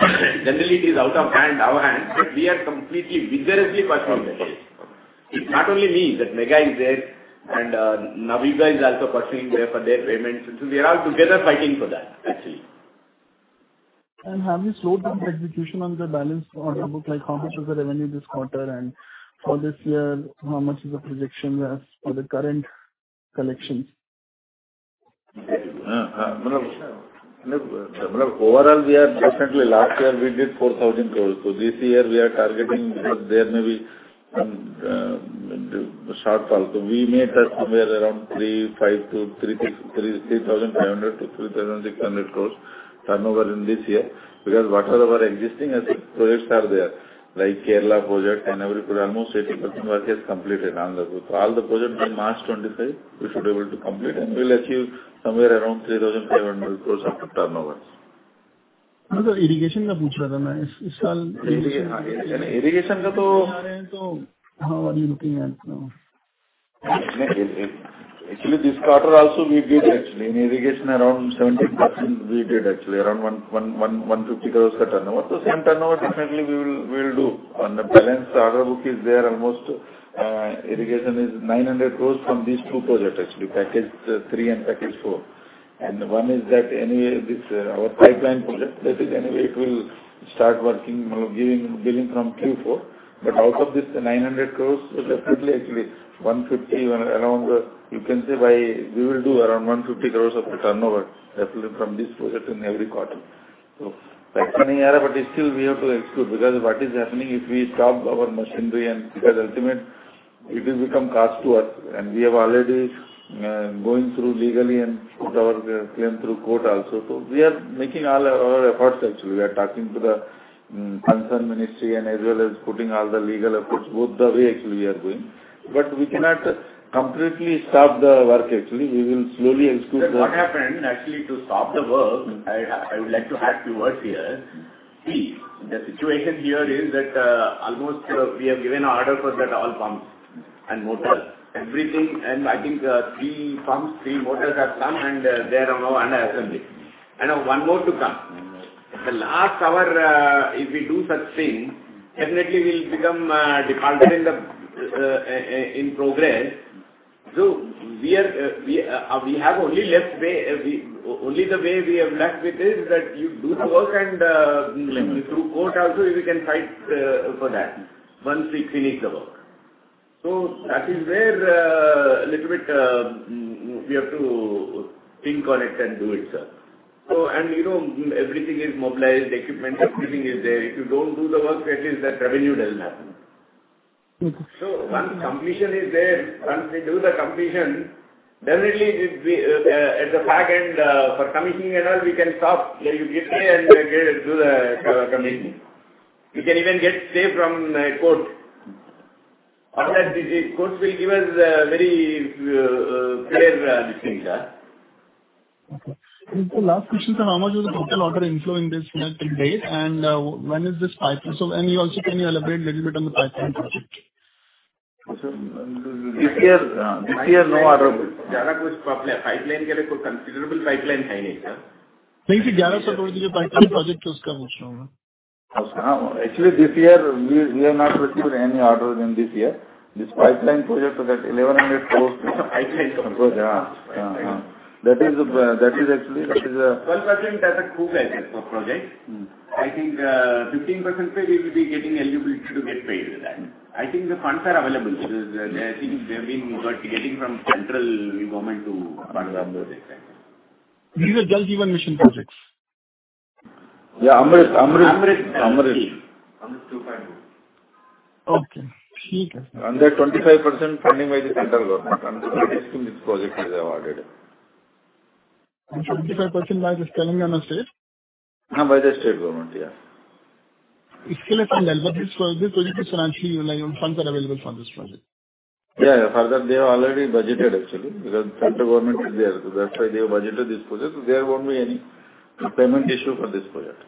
Generally, it is out of our hands but we are completely vigorously pursuing that case. It's not only me that Megha is there and Navayuga is also pursuing there for their payments. So we are all together fighting for that actually. And have you slowed down the execution on the balance on the book? Like how much of the revenue this quarter and for this year, how much is the projection as for the current collections? Overall, we are definitely last year we did INR 4,000 crores. This year we are targeting because there may be some shortfall. So we may touch somewhere around 3,500-3,600 crore turnover in this year because whatever our existing projects are there, like Kerala project and everything, almost 80% work is completed on the book. So all the projects by March 25, we should be able to complete and we'll achieve somewhere around 3,500 crore turnover. Sir, irrigation का पूछ रहा था मैं. इस साल. Irrigation का तो. Irrigation का तो how are you looking at now? Actually, this quarter also we did actually. In irrigation, around 17% we did actually. Around INR 150 crore of turnover. So same turnover definitely we will do. On the balance, the order book is there almost. Irrigation is 900 crore from these two projects actually. Package 3 and Package 4. And one is that anyway, this our pipeline project that is anyway it will start working, giving billing from Q4. But out of this, the 900 crores will definitely actually around 150, you can say. We will do around 150 crores of the turnover definitely from this project in every quarter. So that's the thing here. But still, we have to exclude because what is happening if we stop our machinery and because ultimately it will become cost to us. And we have already going through legally and put our claim through court also. So we are making all our efforts actually. We are talking to the MoRTH and as well as putting all the legal efforts. Both the way actually we are going. But we cannot completely stop the work actually. We will slowly exclude the. What happened actually to stop the work, I would like to add two words here. See, the situation here is that almost we have given an order for that all pumps and motors. Everything, and I think three pumps, three motors have come and they are on our assembly, and one more to come. The last hour, if we do such thing, definitely we'll become defaulted in progress. We have only left way. Only the way we have left with is that you do the work and through court also we can fight for that once we finish the work. That is where a little bit we have to think on it and do it, sir. You know, everything is mobilized, the equipment, everything is there. If you don't do the work, at least that revenue doesn't happen. So once completion is there, once they do the completion, definitely at the back end for commissioning and all, we can start, then you get there and do the commissioning. We can even get a stay from court. Of that, the courts will give us very clear direction. Okay. Last question, sir, how much was the total order inflow in this quarter and what is this pipeline? So then you can elaborate a little bit on the pipeline project? This year, no order. INR 11 crore pipeline के लिए कोई considerable pipeline है नहीं, sir. नहीं, INR 1100 crore की जो pipeline project है, उसका पूछ रहा हूं मैं. Actually, this year we have not received any orders this year. This pipeline project that 1100 crore. That is actually, that is KNR's EPC work for the project. I think 15% pay we will be getting eligibility to get paid with that. I think the funds are available. I think they have been getting funds from central government for projects. These are Jal Jeevan Mission projects. Yeah, AMRUT 2.0. Okay. HAM. Under 25% funding by the central government. Under 25% this project is awarded. And 25% by the spending of the state? By the state government, yes. Is it funded? But this project is financially, funds are available for this project. Yeah, further they have already budgeted actually because central government is there. That's why they have budgeted this project. So there won't be any payment issue for this project.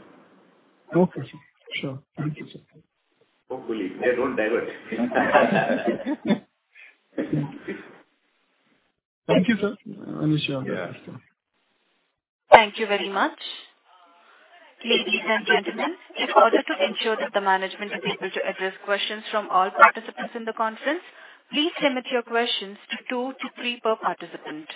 Okay, sir. Sure. Thank you, sir. Hopefully, they don't divert. Thank you, sir. I'm sure. Thank you very much. Ladies and gentlemen, in order to ensure that the management is able to address questions from all participants in the conference, please limit your questions to two to three per participant.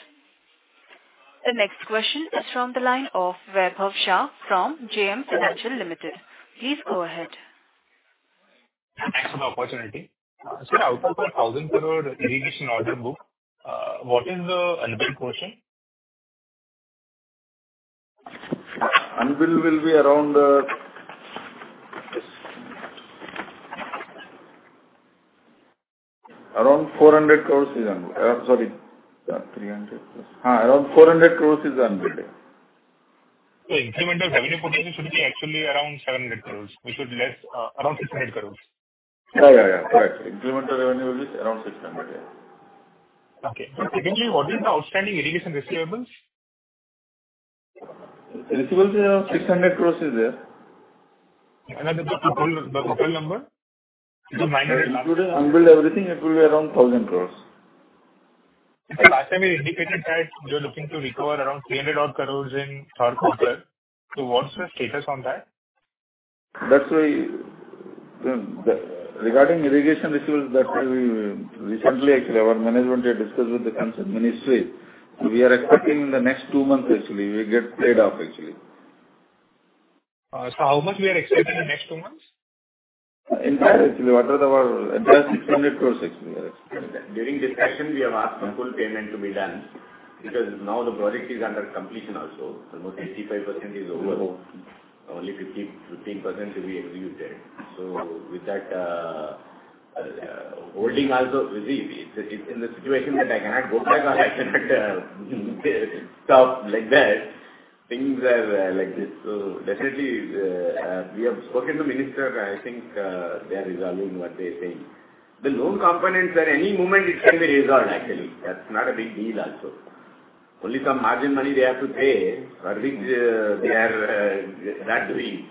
The next question is from the line of Vaibhav Shah from JM Financial Limited. Please go ahead. Thanks for the opportunity. Sir, out of the 1,000 crore irrigation order book, what is the unbilled portion? Unbilled will be around 400 crores is unbilled. Sorry, 300. Around 400 crores is unbilled. So incremental revenue put in should be actually around 700 crores. We should less around 600 crores. Yeah, yeah, yeah. Correct. Incremental revenue will be around 600. Okay. But secondly, what is the outstanding irrigation receivables? Receivables are 600 crores is there. And then the total number? It is 900. Including unbilled everything, it will be around 1,000 crores. Sir, last time we indicated that we are looking to recover around 300 crore in Tharkom, sir. So what's the status on that? That's why regarding irrigation receivables, that's why we recently actually our management here discussed with the irrigation ministry. We are expecting in the next two months actually we get paid off actually. So how much we are expecting in the next two months? In fact, actually what are our entire INR 600 crore actually we are expecting. During discussion, we have asked for full payment to be done because now the project is under completion also. Almost 85% is over. Only 15% will be executed. So with that holding also busy, it's in the situation that I cannot go back or I cannot stop like that. Things are like this. So definitely we have spoken to the minister. I think they are resolving what they are saying. The loan components, at any moment it can be resolved actually. That's not a big deal also. Only some margin money they have to pay for which they are not doing.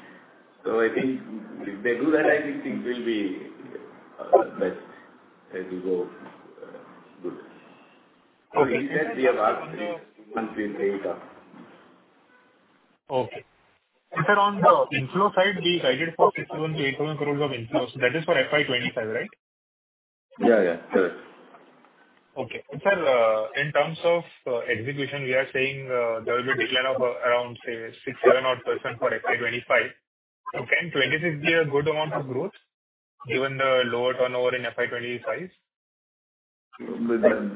So I think if they do that, I think things will be best. It will go good. So in that, we have asked three months we'll pay it off. Okay. And sir, on the inflow side, we guided for 61-81 crores of inflow. So that is for FY25, right? Yeah, yeah. Correct. Okay. And sir, in terms of execution, we are saying there will be a decline of around, say, 6-7% for FY25. So can 26 be a good amount of growth given the lower turnover in FY25?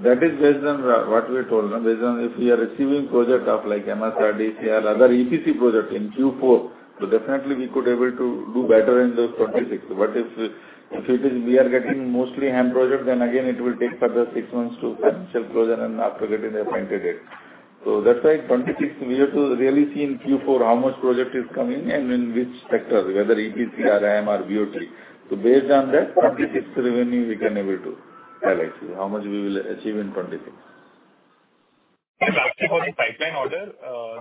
That is based on what we told. Based on if we are receiving projects like MSRDC, other EPC projects in Q4, so definitely we could be able to do better in the 26. But if we are getting mostly HAM projects, then again it will take further six months to financially close and after getting the appointed date. So that's why 26 we have to really see in Q4 how much project is coming and in which sector, whether EPC, HAM, or BOT. So based on that, 26 revenue we can be able to tell it. How much we will achieve in 26. If after for the pipeline order,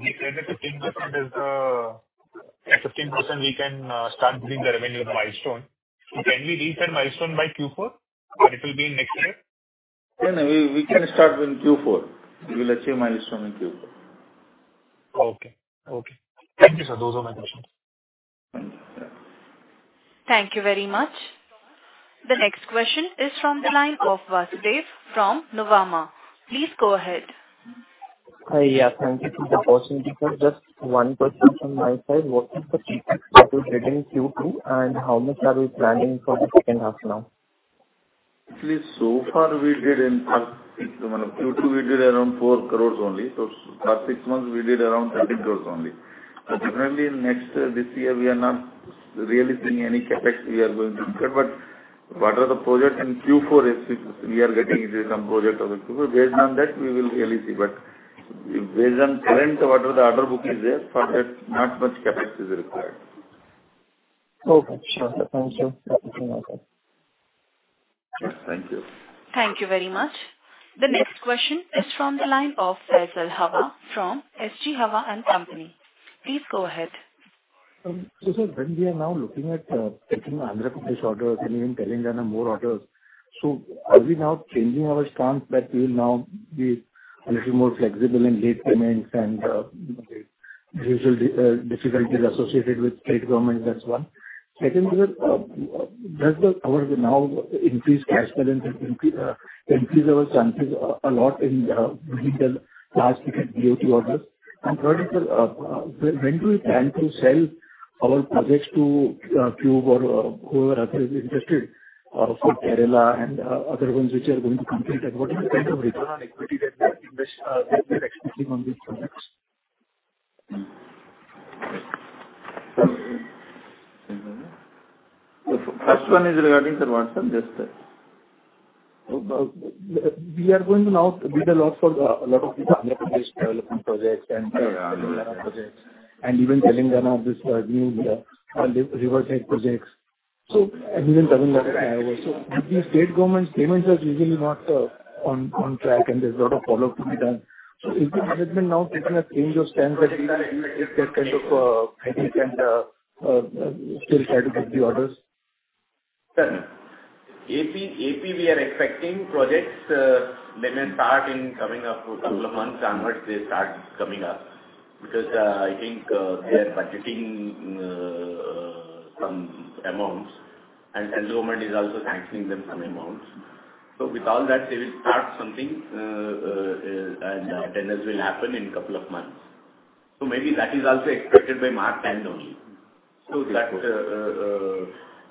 declared that 15% is the 15% we can start doing the revenue milestone. Can we reach that milestone by Q4? Or it will be next year? Yeah, we can start in Q4. We will achieve milestone in Q4. Okay. Okay. Thank you, sir. Those are my questions. Thank you very much. The next question is from the line of Vasudev from Nuvama. Please go ahead. Yeah, thank you for the opportunity. Just one question from my side. What is the CapEx that you did in Q2 and how much are we planning for the second half now? Actually, so far we did in Q2, we did around 40 million only. So for six months, we did around 300 million only. So definitely next this year we are not really seeing any CapEx we are going to incur. But what are the project in Q4 is we are getting some project of the Q4. Based on that, we will really see. But based on current, whatever the order book is there, for that not much CapEx is required. Okay. Sure. Thank you. Thank you. Thank you very much. The next question is from the line of Faisal Hawa from H.G. Hawa and Company. Please go ahead. So sir, when we are now looking at taking Andhra Pradesh orders and even Telangana more orders, so are we now changing our stance that we will now be a little more flexible in late payments and the usual difficulties associated with state government and so on? Second, sir, does our now increased cash balance increase our chances a lot in the large ticket BOT orders? And third, sir, when do we plan to sell our projects to Cube or whoever else is interested for Kerala and other ones which are going to complete? What is the kind of return on equity that we are expecting on these projects? First one is regarding, sir, what, sir? Just that. We are going to now bid a lot for a lot of these Andhra Pradesh development projects and Kerala projects and even Telangana this new river linking projects. So even for Telangana works. So these state government payments are usually not on track and there's a lot of follow-up to be done. So is the management now taking a change of stance that we take that kind of headache and still try to get the orders? AP, we are expecting projects. They may start coming up in up to a couple of months onwards because I think they are budgeting some amounts and the government is also sanctioning them some amounts. So with all that, they will start something and tenders will happen in a couple of months. So maybe that is also expected by March end only. So that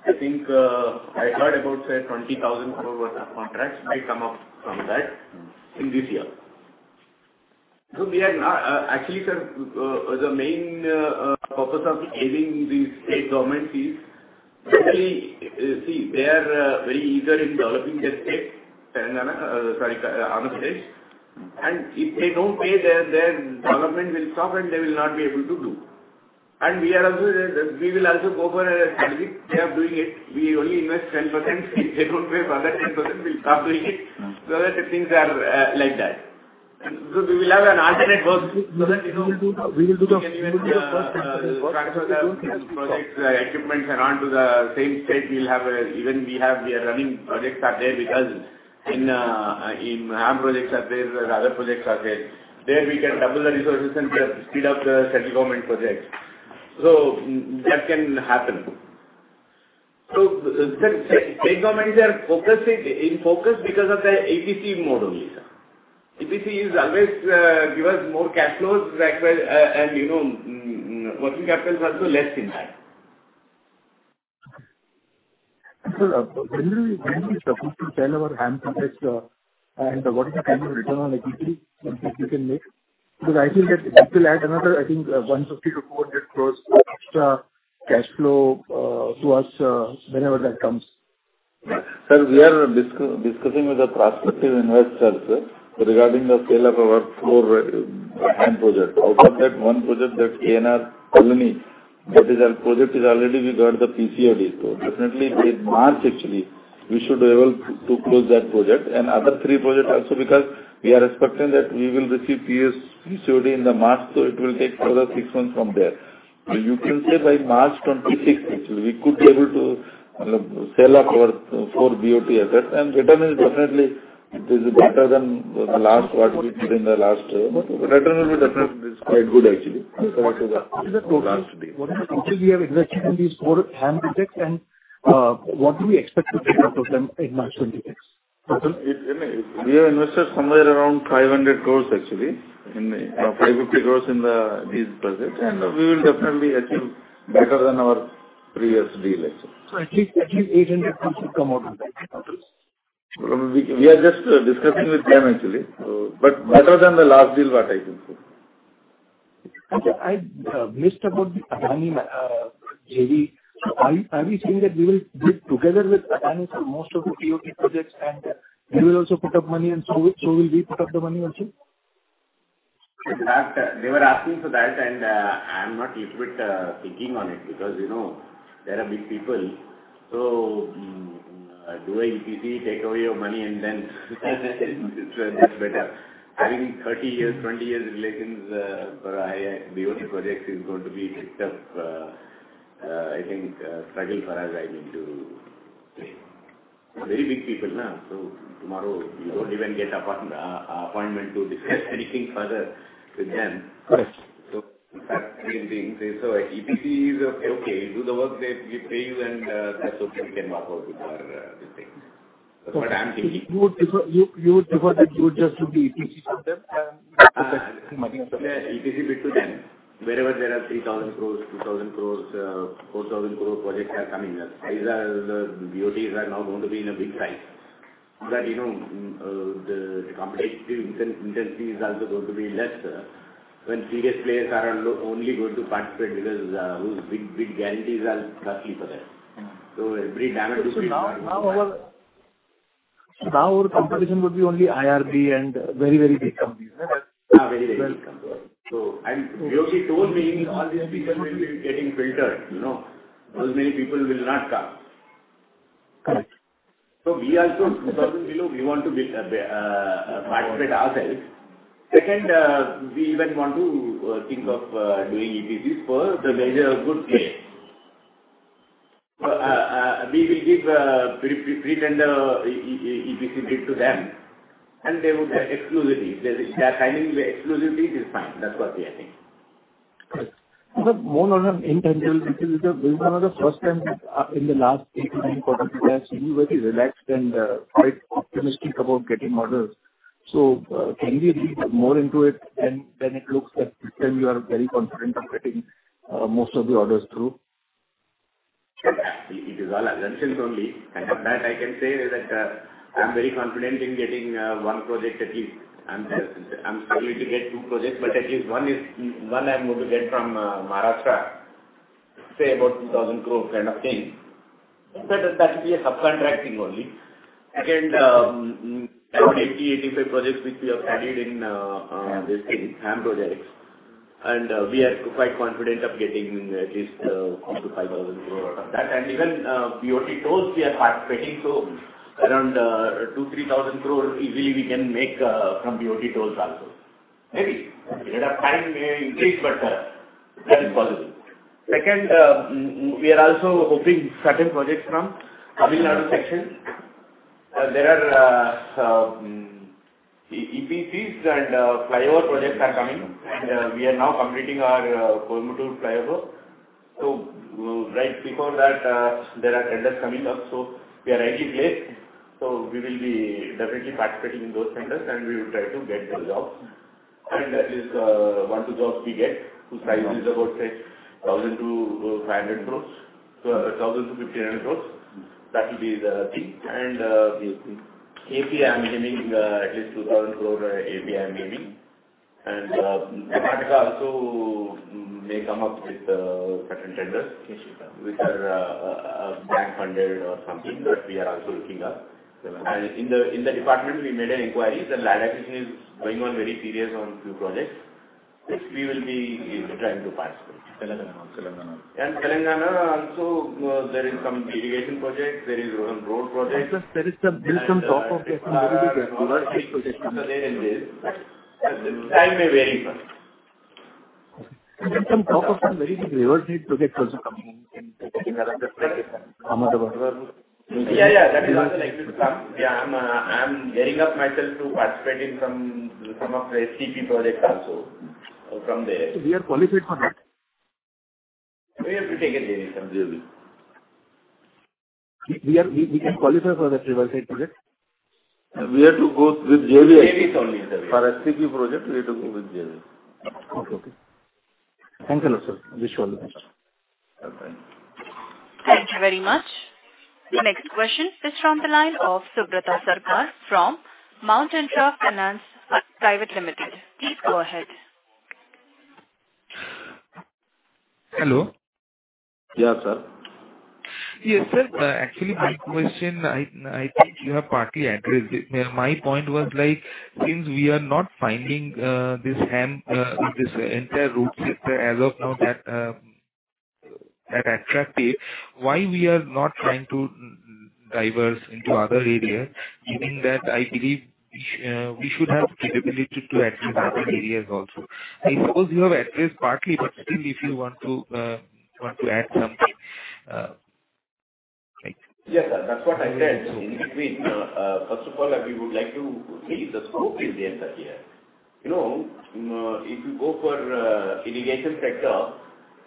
I think I heard about, sir, 20,000 crore worth of contracts may come up from that in this year. So we are not actually, sir. The main purpose of aiding these state governments is actually, see, they are very eager in developing their state, Telangana, sorry, Andhra Pradesh. And if they don't pay, their development will stop and they will not be able to do. And we will also go for a strategy. They are doing it. We only invest 10%. If they don't pay for that 10%, we'll stop doing it. So that things are like that. So we will have an alternate work so that we will do the first transfer. We will do the first transfer. We will transfer the projects, equipment around to the same state. We are running projects out there because we have HAM projects out there, other projects out there. There we can double the resources and speed up the state government projects. So that can happen. So state governments are focused in focus because of the EPC mode only, sir. EPC is always give us more cash flows and working capital is also less in that. So when we submit to sell our HAM projects and what is the kind of return on equity that we can make? Because I feel that it will add another, I think, 150-200 crores extra cash flow to us whenever that comes. Sir, we are discussing with the prospective investors, sir, regarding the sale of our four HAM projects. Out of that one project, that KNR Palani, that is our project. We already got the PCOD. Definitely in March, actually, we should be able to close that project. And other three projects also because we are expecting that we will receive PCOD in March, so it will take further six months from there. You can say by March 2026, actually, we could be able to sell off our four BOT assets. And return is definitely better than the last what we did in the last. But the return will be definitely quite good, actually. After the last deal. What is the actual we have invested in these four HAM projects and what do we expect to get out of them in March 2026? We have invested somewhere around 500 crores, actually, 550 crores in these projects. And we will definitely achieve better than our previous deal, actually. So at least 800 crores should come out of that. We are just discussing with them actually. But better than the last deal, what I think. And sir, I missed about the Adani JV. Are we saying that we will do it together with Adani for most of the TOT projects and they will also put up money and so will we put up the money also? They were asking for that and I'm not a little bit thinking on it because they are big people. So do EPC take away your money and then that's better. Having 30 years, 20 years relations for BOT projects is going to be a big tough, I think, struggle for us, I think, to say. Very big people, nah. So tomorrow you don't even get an appointment to discuss anything further with them. So in fact, the thing is so EPC is okay. Do the work they pay you and that's what we can walk out with our things. That's what I'm thinking. You would prefer that you would just do the EPC for them? EPC bid to them. Wherever there are 3,000 crores, 2,000 crores, 4,000 crore projects are coming. These are the BOTs are now going to be in a big size. But the competitive intensity is also going to be less when previous players are only going to participate because those big guarantees are costly for them. So the damage will be small. Now our competition will be only IRB and very, very big companies. Very big companies. So BOT told me all these people will be getting filtered. Those many people will not come. Correct. So we also INR 2,000 below, we want to participate ourselves. Second, we even want to think of doing EPCs for the major good players. We will give pre-tender EPC bid to them and they will exclusively. If they are signing exclusively, it is fine. That's what we are thinking. Correct. But more on an intangible because this is one of the first times in the last 8-9 quarters that you were very relaxed and quite optimistic about getting orders. So can we dig more into it? It looks that this time you are very confident of getting most of the orders through? It is all assumptions only. And for that, I can say that I'm very confident in getting one project at least. I'm struggling to get two projects, but at least one I'm going to get from Maharashtra, say about 2,000 crore kind of thing. But that will be a subcontracting only. Second, about 80-85 projects which we have studied in these HAM projects. We are quite confident of getting at least 4,000-5,000 crore out of that. Even BOT tolls we are participating. So around 2,000-3,000 crore easily we can make from BOT tolls also. Maybe period of time may increase, but that is possible. Second, we are also hoping certain projects from Tamil Nadu section. There are EPCs and flyover projects are coming. We are now completing our Kolmotur flyover. So right before that, there are tenders coming up. We are already placed. We will be definitely participating in those tenders and we will try to get the jobs. At least one two jobs we get whose size is about, say, 1,000-500 crores. So 1,000-1,500 crores. That will be the thing. AP I'm aiming at least 2,000 crore AP I'm aiming. Department also may come up with certain tenders which are bank funded or something that we are also looking at. In the department, we made an inquiry that Ladakh is going on very serious on a few projects. We will be trying to participate. Telangana. Telangana also, there is some irrigation project. There is one road project. There is some talk of getting very big river link projects. Time may vary first. There is some talk of some very big river link projects also coming in Telangana just like Ahmedabad. Yeah, yeah. That is also likely to come. Yeah, I'm gearing up myself to participate in some of the STP projects also from there. So we are qualified for that? We have to take it JV. We can qualify for that river link project? We have to go with JV. JV is only. For STP project, we have to go with JV. Okay. Thank you, sir. Wish you all the best. Thank you. Thank you very much. The next question is from the line of Subrata Sarkar from Mount Intra Finance Private Limited. Please go ahead. Hello. Yeah, sir. Yes, sir. Actually, my question, I think you have partly addressed it. My point was like since we are not finding this entire road sector as of now that attractive, why we are not trying to diversify into other areas? Meaning that I believe we should have capability to address other areas also. I suppose you have addressed partly, but still if you want to add something. Yes, sir. That's what I said. So in between, first of all, we would like to see the scope is there here. If you go for irrigation sector,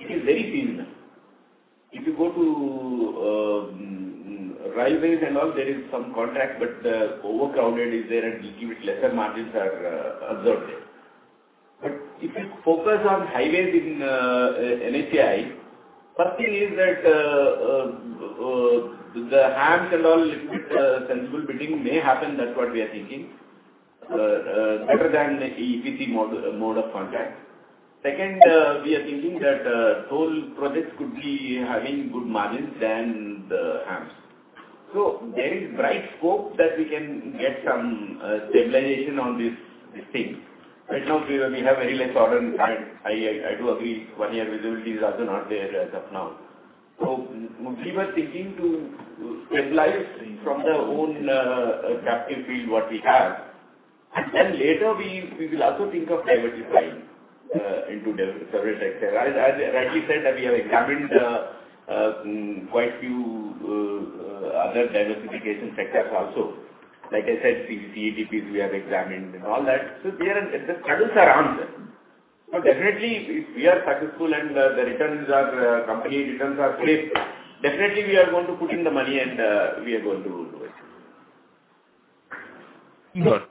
it is very seasonal. If you go to railways and all, there is some contract, but the overcrowding is there and given the lesser margins are observed there. But if you focus on highways in NHAI, first thing is that the HAMs and all a little bit sensible bidding may happen. That's what we are thinking. Better than EPC mode of contract. Second, we are thinking that toll projects could be having good margins than the HAMs. So there is bright scope that we can get some stabilization on this thing. Right now, we have very less order intake currently. I do agree one year visibility is also not there as of now. So we were thinking to stabilize from our own captive field what we have. And then later we will also think of diversifying into several sectors. As I rightly said, we have examined quite a few other diversification sectors also. Like I said, CETPs we have examined and all that. So there are the struggles are on there. But definitely if we are successful and the returns are company, returns are safe, definitely we are going to put in the money and we are going to do it.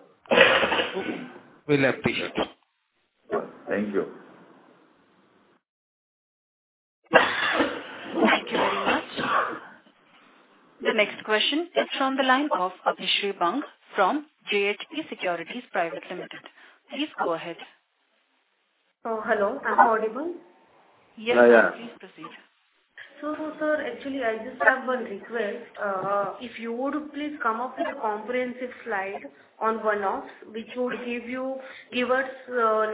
We'll appreciate it. Thank you. Thank you very much. The next question is from the line of Abhishri Bang from JHP Securities Private Limited. Please go ahead. Hello. I'm audible? Yes, please proceed. So sir, actually I just have one request. If you would please come up with a comprehensive slide on one-offs which would give us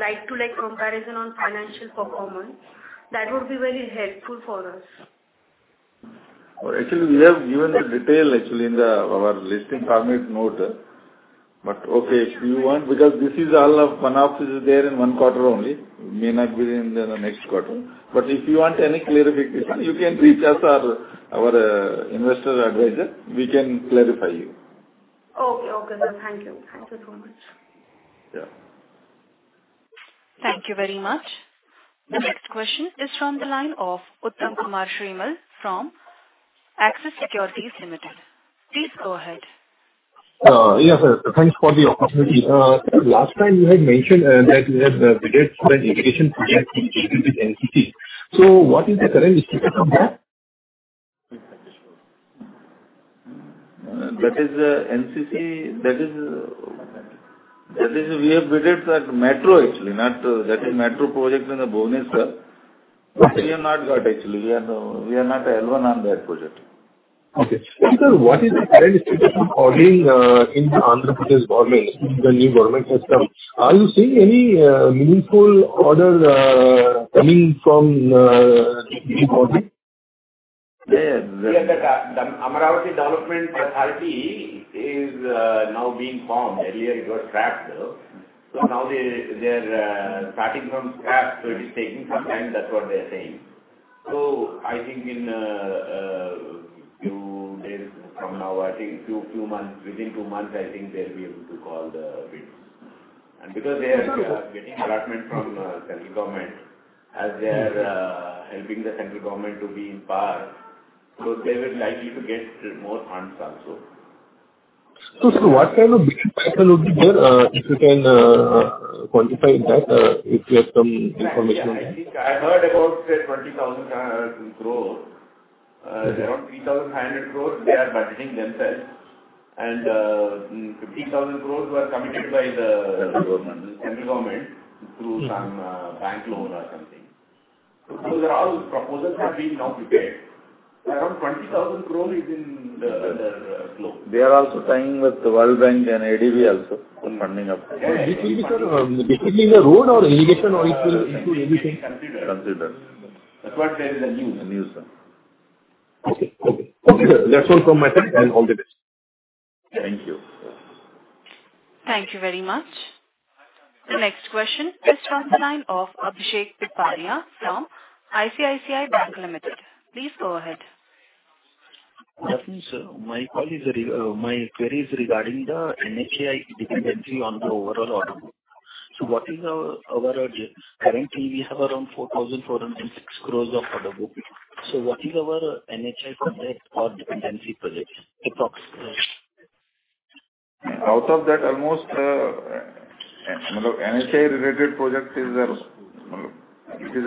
like-to-like comparison on financial performance. That would be very helpful for us. Actually, we have given the detail actually in our listing permit note. But okay, if you want because this is all of one-offs is there in one quarter only. It may not be in the next quarter. But if you want any clarification, you can reach us or our investor advisor. We can clarify you. Okay. Okay. Thank you. Thank you so much. Yeah. Thank you very much. The next question is from the line of Uttam Kumar Srimal from Axis Securities Limited. Please go ahead. Yes, sir. Thanks for the opportunity. Last time you had mentioned that you had bid it for an irrigation project which is with NCC. So what is the current status of that? That is NCC. That is we have bid it at Metro actually. That is Metro project in the Bhubaneswar. We have not got actually. We are not the L1 on that project. Okay. So sir, what is the current situation for being in the Andhra Pradesh government? The new government has come. Are you seeing any meaningful order coming from the new government? Yeah, yeah. The Amaravati Development Authority is now being formed. Earlier it was scrapped. So now they are starting from scrap. So it is taking some time. That's what they are saying. So I think in a few days from now, I think a few months, within two months, I think they'll be able to call the bids. And because they are getting allotment from the central government as they are helping the central government to be in power, so they will likely to get more funds also. So sir, what kind of bid will be there if you can quantify that if you have some information on that? I heard about 20,000 crores. Around 3,500 crores they are budgeting themselves. And 50,000 crores were committed by the central government through some bank loan or something. So there are all proposals have been now prepared. Around 20,000 crores is in their flow. They are also tying with the World Bank and ADB also for funding up. Yeah. It will be sir. Basically the road or irrigation or it will include everything. Consider. Consider. That's what there is a news. A news, sir. Okay. Okay. Okay. That's all from my side and all the best. Thank you. Thank you very much. The next question is from the line of Abhishek Dipadiya from ICICI Bank Limited. Please go ahead. Nothing, sir. My query is regarding the NHI dependency on the overall order book. So what is our currently we have around 4,406 crores of order book. So what is our NHI project or dependency project approximately? Out of that almost NHI related project is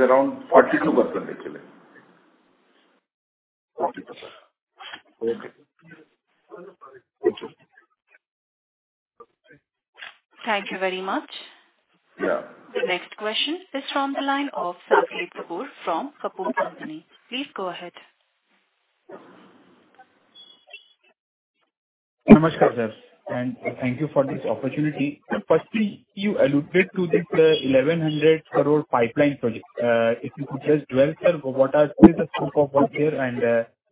around 42% actually. 42%. Okay. Thank you very much. The next question is from the line of Saket Kapoor from Kapoor & Company. Please go ahead. Namaskar, sir. And thank you for this opportunity. Firstly, you alluded to this 1,100 crore pipeline project. If you could just dwell, sir, what is the scope of work here and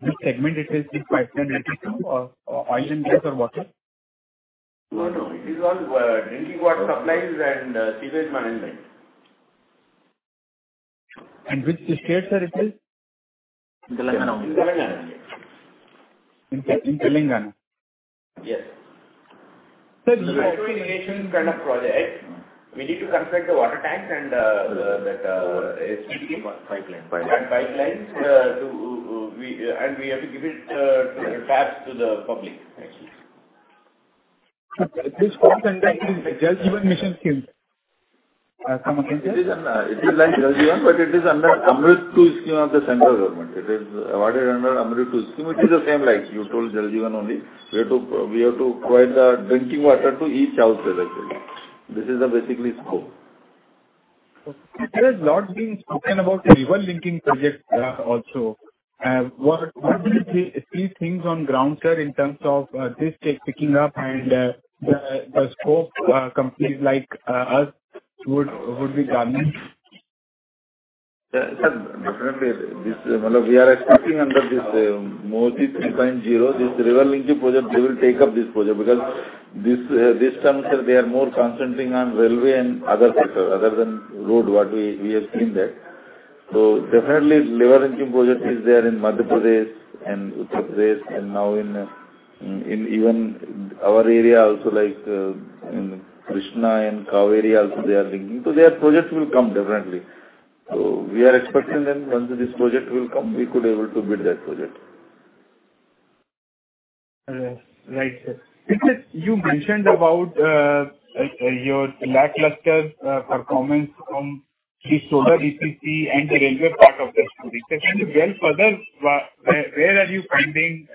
which segment it is, this pipeline related to oil and gas or water? No, no. It is all drinking water supplies and sewage management. And which state, sir, it is? Telangana. In Telangana. Yes. Sir, this is also irrigation kind of project. We need to construct the water tanks and that STP pipeline. That pipeline and we have to give it taps to the public actually. This comes under the Jal Jeevan Mission Scheme. It is under Jal Jeevan, but it is under AMRUT 2.0 scheme of the central government. It is awarded under AMRUT 2.0 scheme. It is the same like you told Jal Jeevan only. We have to provide the drinking water to each household actually. This is basically scope. There has a lot been spoken about the river linking project also. What do you see on ground, sir, in terms of this taking up and the scope companies like us would be done? Definitely. We are expecting under this Modi 3.0, this river linking project, they will take up this project because this term, sir, they are more concentrating on railway and other sectors other than road what we have seen there. So definitely river linking project is there in Madhya Pradesh and Uttar Pradesh and now in even our area also like Krishna and Kaveri area also they are linking. So their project will come definitely. So we are expecting then once this project will come, we could be able to bid that project. Right, sir. You mentioned about your lackluster performance from the solar EPC and the railway part of the study. Can you dwell further? Where are you finding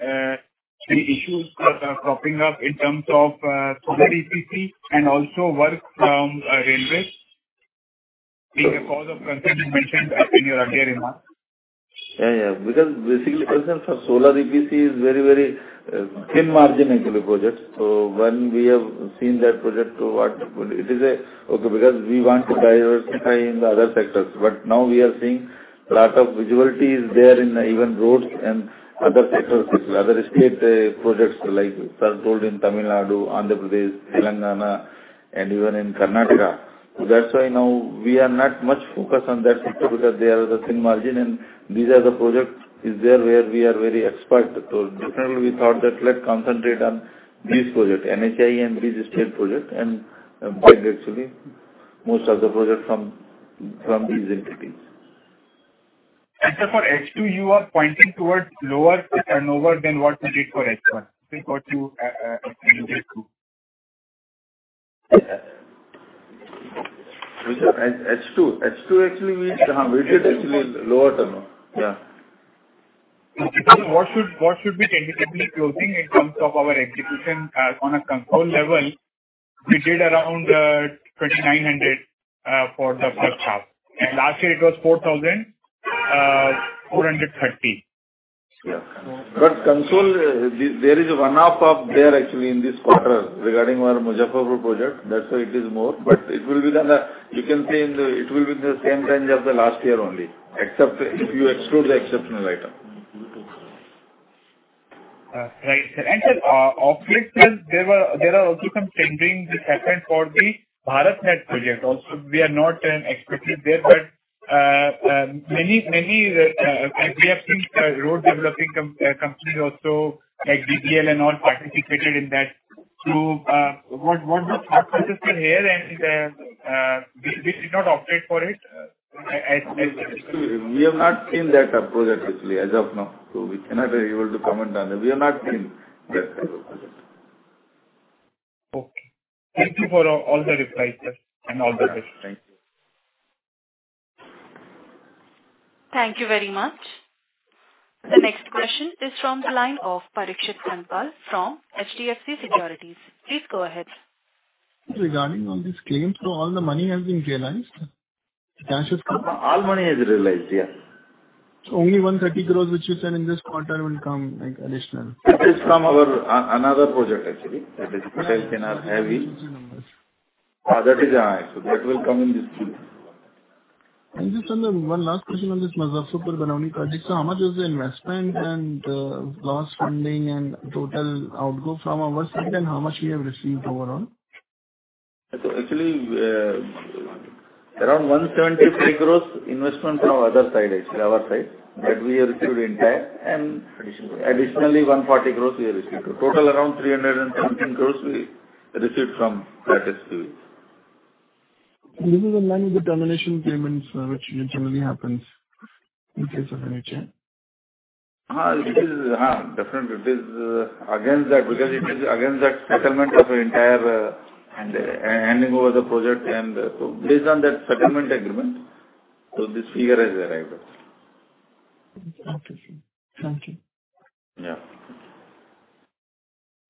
the issues that are cropping up in terms of solar EPC and also work from railways being a cause of concern you mentioned in your earlier remarks? Yeah, yeah. Because basically for solar EPC is very, very thin margin actually project. So when we have seen that project to what it is a okay because we want to diversify in the other sectors. But now we are seeing a lot of visibility is there in even roads and other sectors actually. Other state projects like toll in Tamil Nadu, Andhra Pradesh, Telangana, and even in Karnataka. That's why now we are not much focused on that sector because they are the thin margin and these are the projects is there where we are very expert. So definitely we thought that let's concentrate on these projects, NHI and these state projects and bid actually most of the projects from these entities. And sir, for H2, you are pointing towards lower turnover than what you did for H1. What you did too? H2. H2 actually we have guided actually lower turnover. Yeah. What should be tentatively closing in terms of our execution on a consolidated level? We did around 2,900 for the first half. And last year it was 4,430. But consolidated, there is one-off income there actually in this quarter regarding our Muzaffarpur Road project. That's why it is more. But it will be done. You can say it will be in the same range as the last year only. Except if you exclude the exceptional item. Right, sir. And sir, of late, sir, there are also some tendering efforts for the BharatNet project also. We are not actively there, but we have seen many road developing companies also like DBL and all participated in that. So what do you think, sir? Why we did not opt for it? We have not seen that project actually as of now. So we cannot be able to comment on that. We have not seen that type of project. Okay. Thank you for all the replies, sir, and all the questions. Thank you. Thank you very much. The next question is from the line of Parikshit Kandpal from HDFC Securities. Please go ahead. Regarding all these claims, so all the money has been realized? All money has realized, yes. So only 130 crores which you said in this quarter will come additional? That is from our another project actually. That is hybrid annuity. That is ours. That will come in this scheme. Thank you, sir. One last question on this Muzaffarpur-Barauni project. So how much was the investment and debt funding and total outgo from our side and how much we have received overall? So actually around 175 crores investment from other side actually, our side. That we have received intact. And additionally 140 crores we have received. Total around 317 crores we received from that SPV. This is in line with the termination payments which generally happens in case of NHI? Definitely. It is against that because it is against that settlement of entire and handing over the project. And so based on that settlement agreement, so this figure has arrived. Okay. Thank you. Yeah.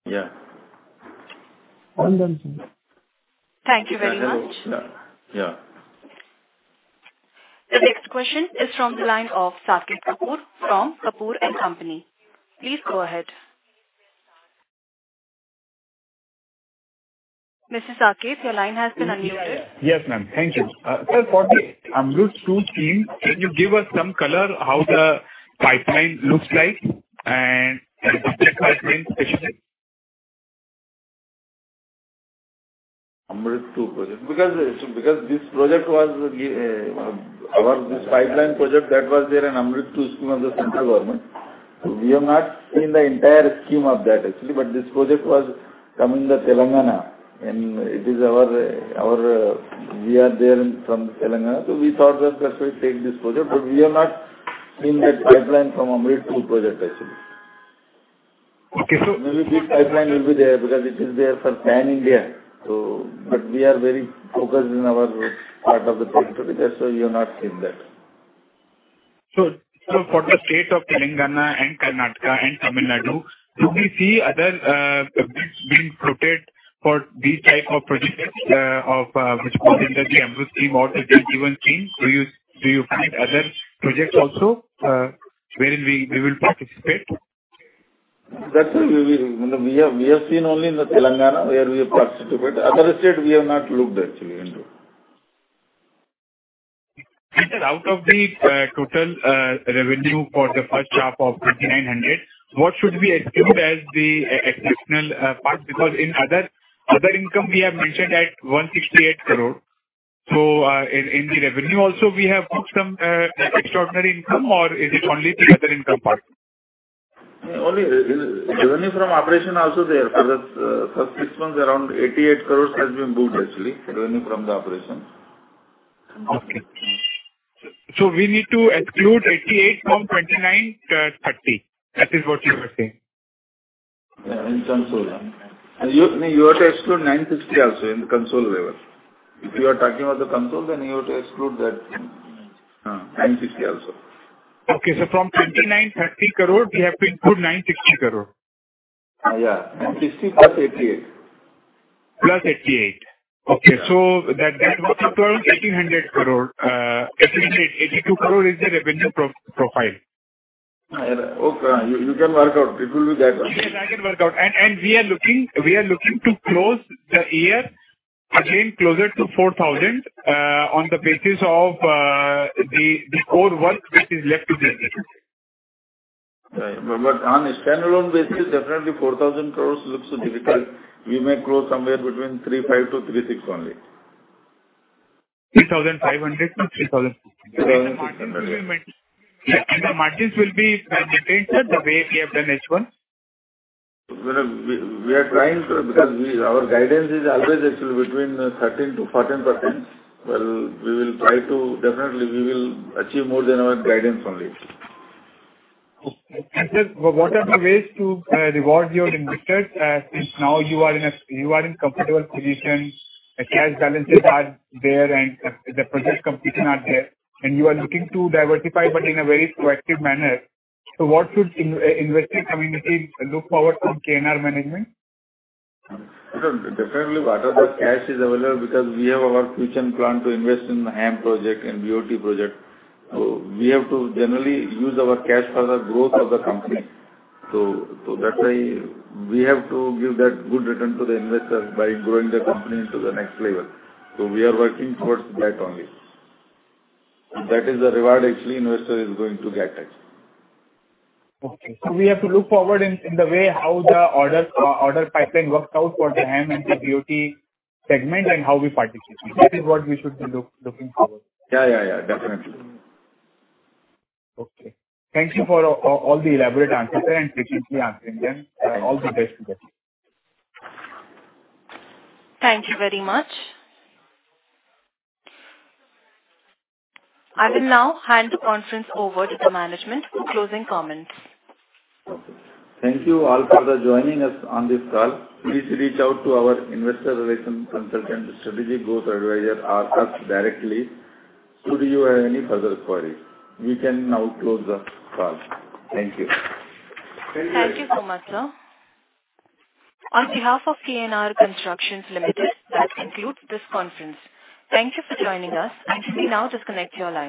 Yeah. All done, sir. Thank you very much. Yeah. Yeah. The next question is from the line of Saket Kapoor from Kapoor & Company. Please go ahead. Mr. Saket, your line has been unmuted. Yes, ma'am. Thank you. Sir, for the AMRUT 2 scheme, can you give us some color how the pipeline looks like and the project has been specified? AMRUT 2 project. Because this project was our this pipeline project that was there in AMRUT 2 scheme of the central government. So we have not seen the entire scheme of that actually. But this project was coming in the Telangana. And it is our we are there from Telangana. So we thought that we take this project. But we have not seen that pipeline from AMRUT 2 project actually. Okay. So maybe big pipeline will be there because it is there for Pan India. But we are very focused in our part of the territory. That's why we have not seen that. So sir, for the state of Telangana and Karnataka and Tamil Nadu, do we see other bids being floated for these type of projects which goes into the AMRUT scheme or the Jal Jeevan scheme? Do you find other projects also wherein we will participate? That's why we have seen only in the Telangana where we have participated. Other state, we have not looked actually into. And sir, out of the total revenue for the first half of 2,900, what should be excluded as the exceptional part? Because in other income, we have mentioned at 168 crore. So in the revenue also, we have some extraordinary income or is it only the other income part? Only revenue from operations also there. For the first six months, around 88 crores has been booked actually. Revenue from the operations. Okay. So we need to exclude 88 from 2,930. That is what you were saying. Yeah. In consolidated. You have to exclude 960 also in the consolidated level. If you are talking about the consolidated, then you have to exclude that 960 also. Okay. So from 2,930 crores, we have to include 960 crores. Yeah. 960 plus 88. Plus 88. Okay. So that one is 1,800 crores. 82 crores is the revenue profile. You can work out. It will be that one. Yes, I can work out. And we are looking to close the year again closer to 4,000 on the basis of the core work which is left to be done, but on a standalone basis, definitely 4,000 crores looks too difficult. We may close somewhere between 3,500-3,600 only. 3,500-3,600. 3,600. And the margins will be maintained the way we have done H1? We are trying because our guidance is always actually between 13%-14%. Well, we will try to definitely we will achieve more than our guidance only. And sir, what are the ways to reward your investors since now you are in a comfortable position? Cash balances are there and the project completion are there. And you are looking to diversify but in a very proactive manner. So what should investor community look forward from KNR management? Definitely whatever cash is available because we have our future plan to invest in the HAM project and BOT project. So we have to generally use our cash for the growth of the company. So that's why we have to give that good return to the investors by growing the company into the next level. So we are working towards that only. That is the reward actually investor is going to get actually. Okay. So we have to look forward in the way how the order pipeline works out for the HAM and the BOT segment and how we participate. That is what we should be looking forward. Yeah, yeah, yeah. Definitely. Okay. Thank you for all the elaborate answers, sir, and patiently answering them. All the best to you. Thank you very much. I will now hand the conference over to the management for closing comments. Thank you all for joining us on this call. Please reach out to our investor relations consultant, strategic growth advisor, Arshad, directly. Should you have any further queries, we can now close the call. Thank you. Thank you so much, sir. On behalf of KNR Constructions Limited, that concludes this conference. Thank you for joining us, and you may now disconnect your line.